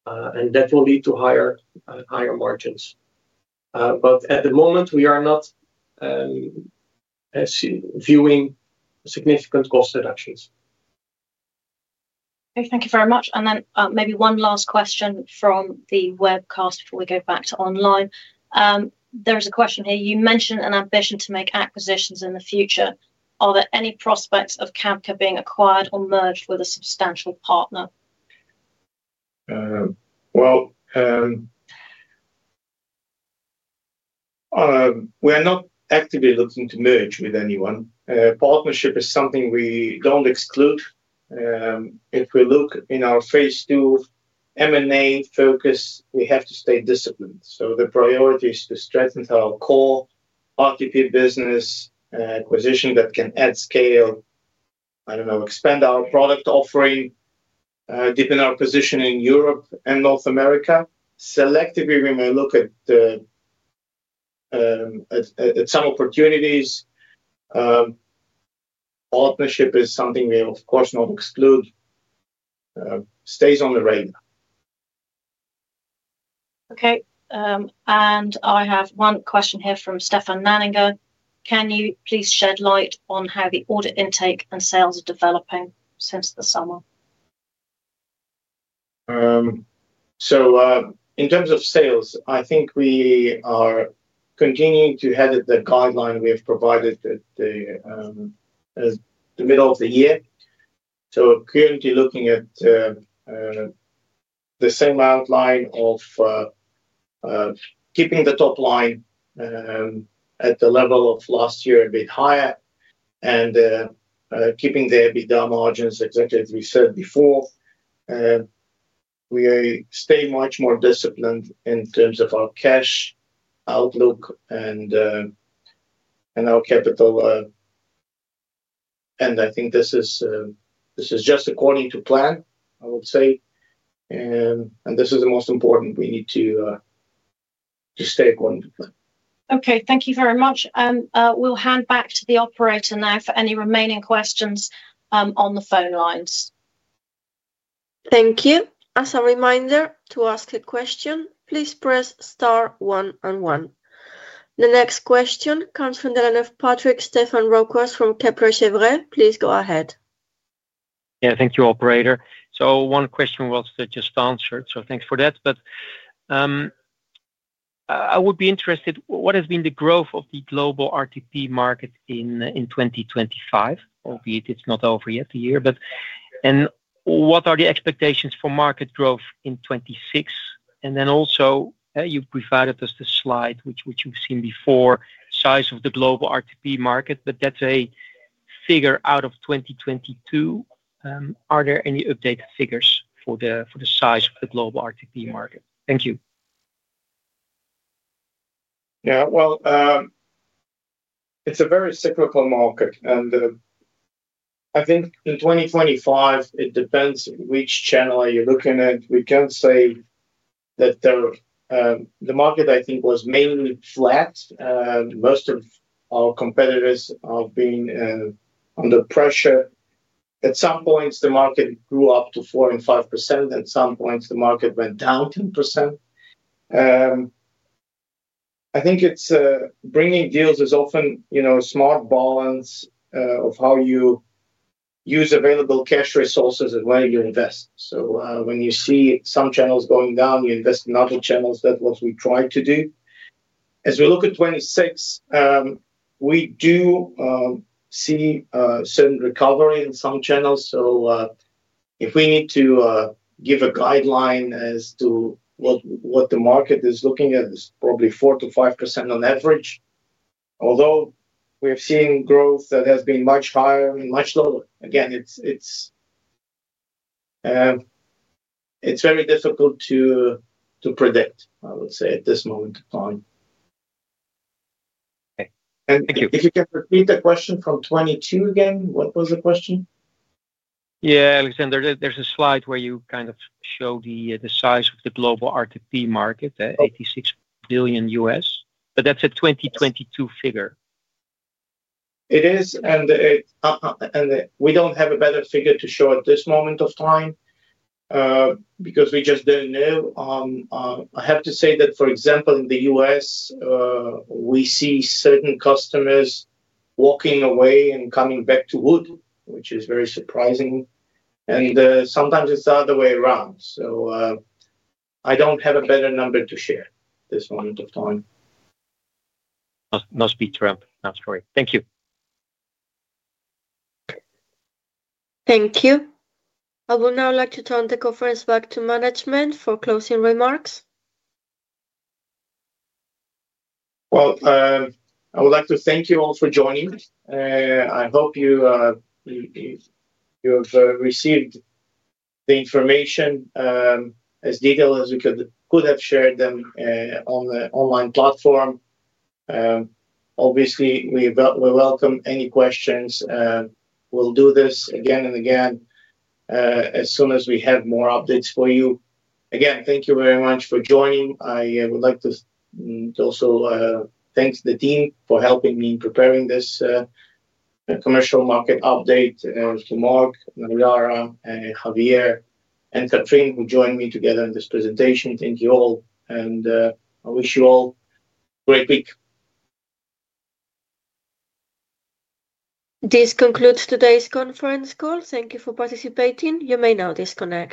S6: That will lead to higher margins. At the moment, we are not viewing significant cost reductions.
S12: Okay. Thank you very much. Maybe one last question from the webcast before we go back to online. There is a question here. You mentioned an ambition to make acquisitions in the future. Are there any prospects of Cabka being acquired or merged with a substantial partner?
S1: We are not actively looking to merge with anyone. Partnership is something we do not exclude. If we look in our phase II M&A focus, we have to stay disciplined. The priority is to strengthen our core RTP business, acquisition that can add scale, expand our product offering, deepen our position in Europe and North America. Selectively, we may look at some opportunities. Partnership is something we, of course, do not exclude. Stays on the radar.
S12: Okay. I have one question here from Stefan Nanninger. Can you please shed light on how the audit intake and sales are developing since the summer?
S1: In terms of sales, I think we are continuing to head at the guideline we have provided at the middle of the year. Currently looking at the same outline of keeping the top line at the level of last year a bit higher and keeping the EBITDA margins, exactly as we said before. We stay much more disciplined in terms of our cash outlook and our capital. I think this is just according to plan, I would say. This is the most important, we need to stay according to plan.
S12: Thank you very much. We'll hand back to the operator now for any remaining questions on the phone lines.
S7: Thank you. As a reminder to ask a question, please press star one and one. The next question comes from the line of Patrick Stéphane Roquas from Kepler Cheuvreux. Please go ahead.
S9: Yeah. Thank you, operator. One question was just answered. Thanks for that. I would be interested, what has been the growth of the global RTP market in 2025? Albeit it's not over yet a year, but what are the expectations for market growth in 2026? You have provided us the slide, which you have seen before, size of the global RTP market, but that's a figure out of 2022. Are there any updated figures for the size of the global RTP market? Thank you.
S1: Yeah. It's a very cyclical market. I think in 2025, it depends which channel you're looking at. We can say that the market, I think, was mainly flat. Most of our competitors have been under pressure. At some points, the market grew up to 4%-5%. At some points, the market went down 10%. I think bringing deals is often a smart balance of how you use available cash resources and where you invest. When you see some channels going down, you invest in other channels. That's what we try to do. As we look at 2026, we do see certain recovery in some channels. If we need to give a guideline as to what the market is looking at, it's probably 4%-5% on average. Although we're seeing growth that has been much higher and much lower. Again, it's very difficult to predict, I would say, at this moment in time. If you can repeat the question from 2022 again, what was the question?
S9: Yeah, Alexander, there's a slide where you kind of show the size of the global RTP market, $86 billion. But that's a 2022 figure.
S1: It is. We do not have a better figure to show at this moment of time because we just did not know. I have to say that, for example, in the US, we see certain customers walking away and coming back to wood, which is very surprising. Sometimes it is the other way around. I do not have a better number to share at this moment of time.
S9: No speed ramp. That is correct. Thank you.
S7: Thank you. I would now like to turn the conference back to management for closing remarks.
S1: I would like to thank you all for joining. I hope you have received the information as detailed as we could have shared them on the online platform. Obviously, we welcome any questions. We will do this again and again as soon as we have more updates for you. Again, thank you very much for joining. I would like to also thank the team for helping me in preparing this commercial market update to Mark, Naiara, Javier, and Katrine, who joined me together in this presentation. Thank you all. I wish you all a great week.
S7: This concludes today's conference call. Thank you for participating. You may now disconnect.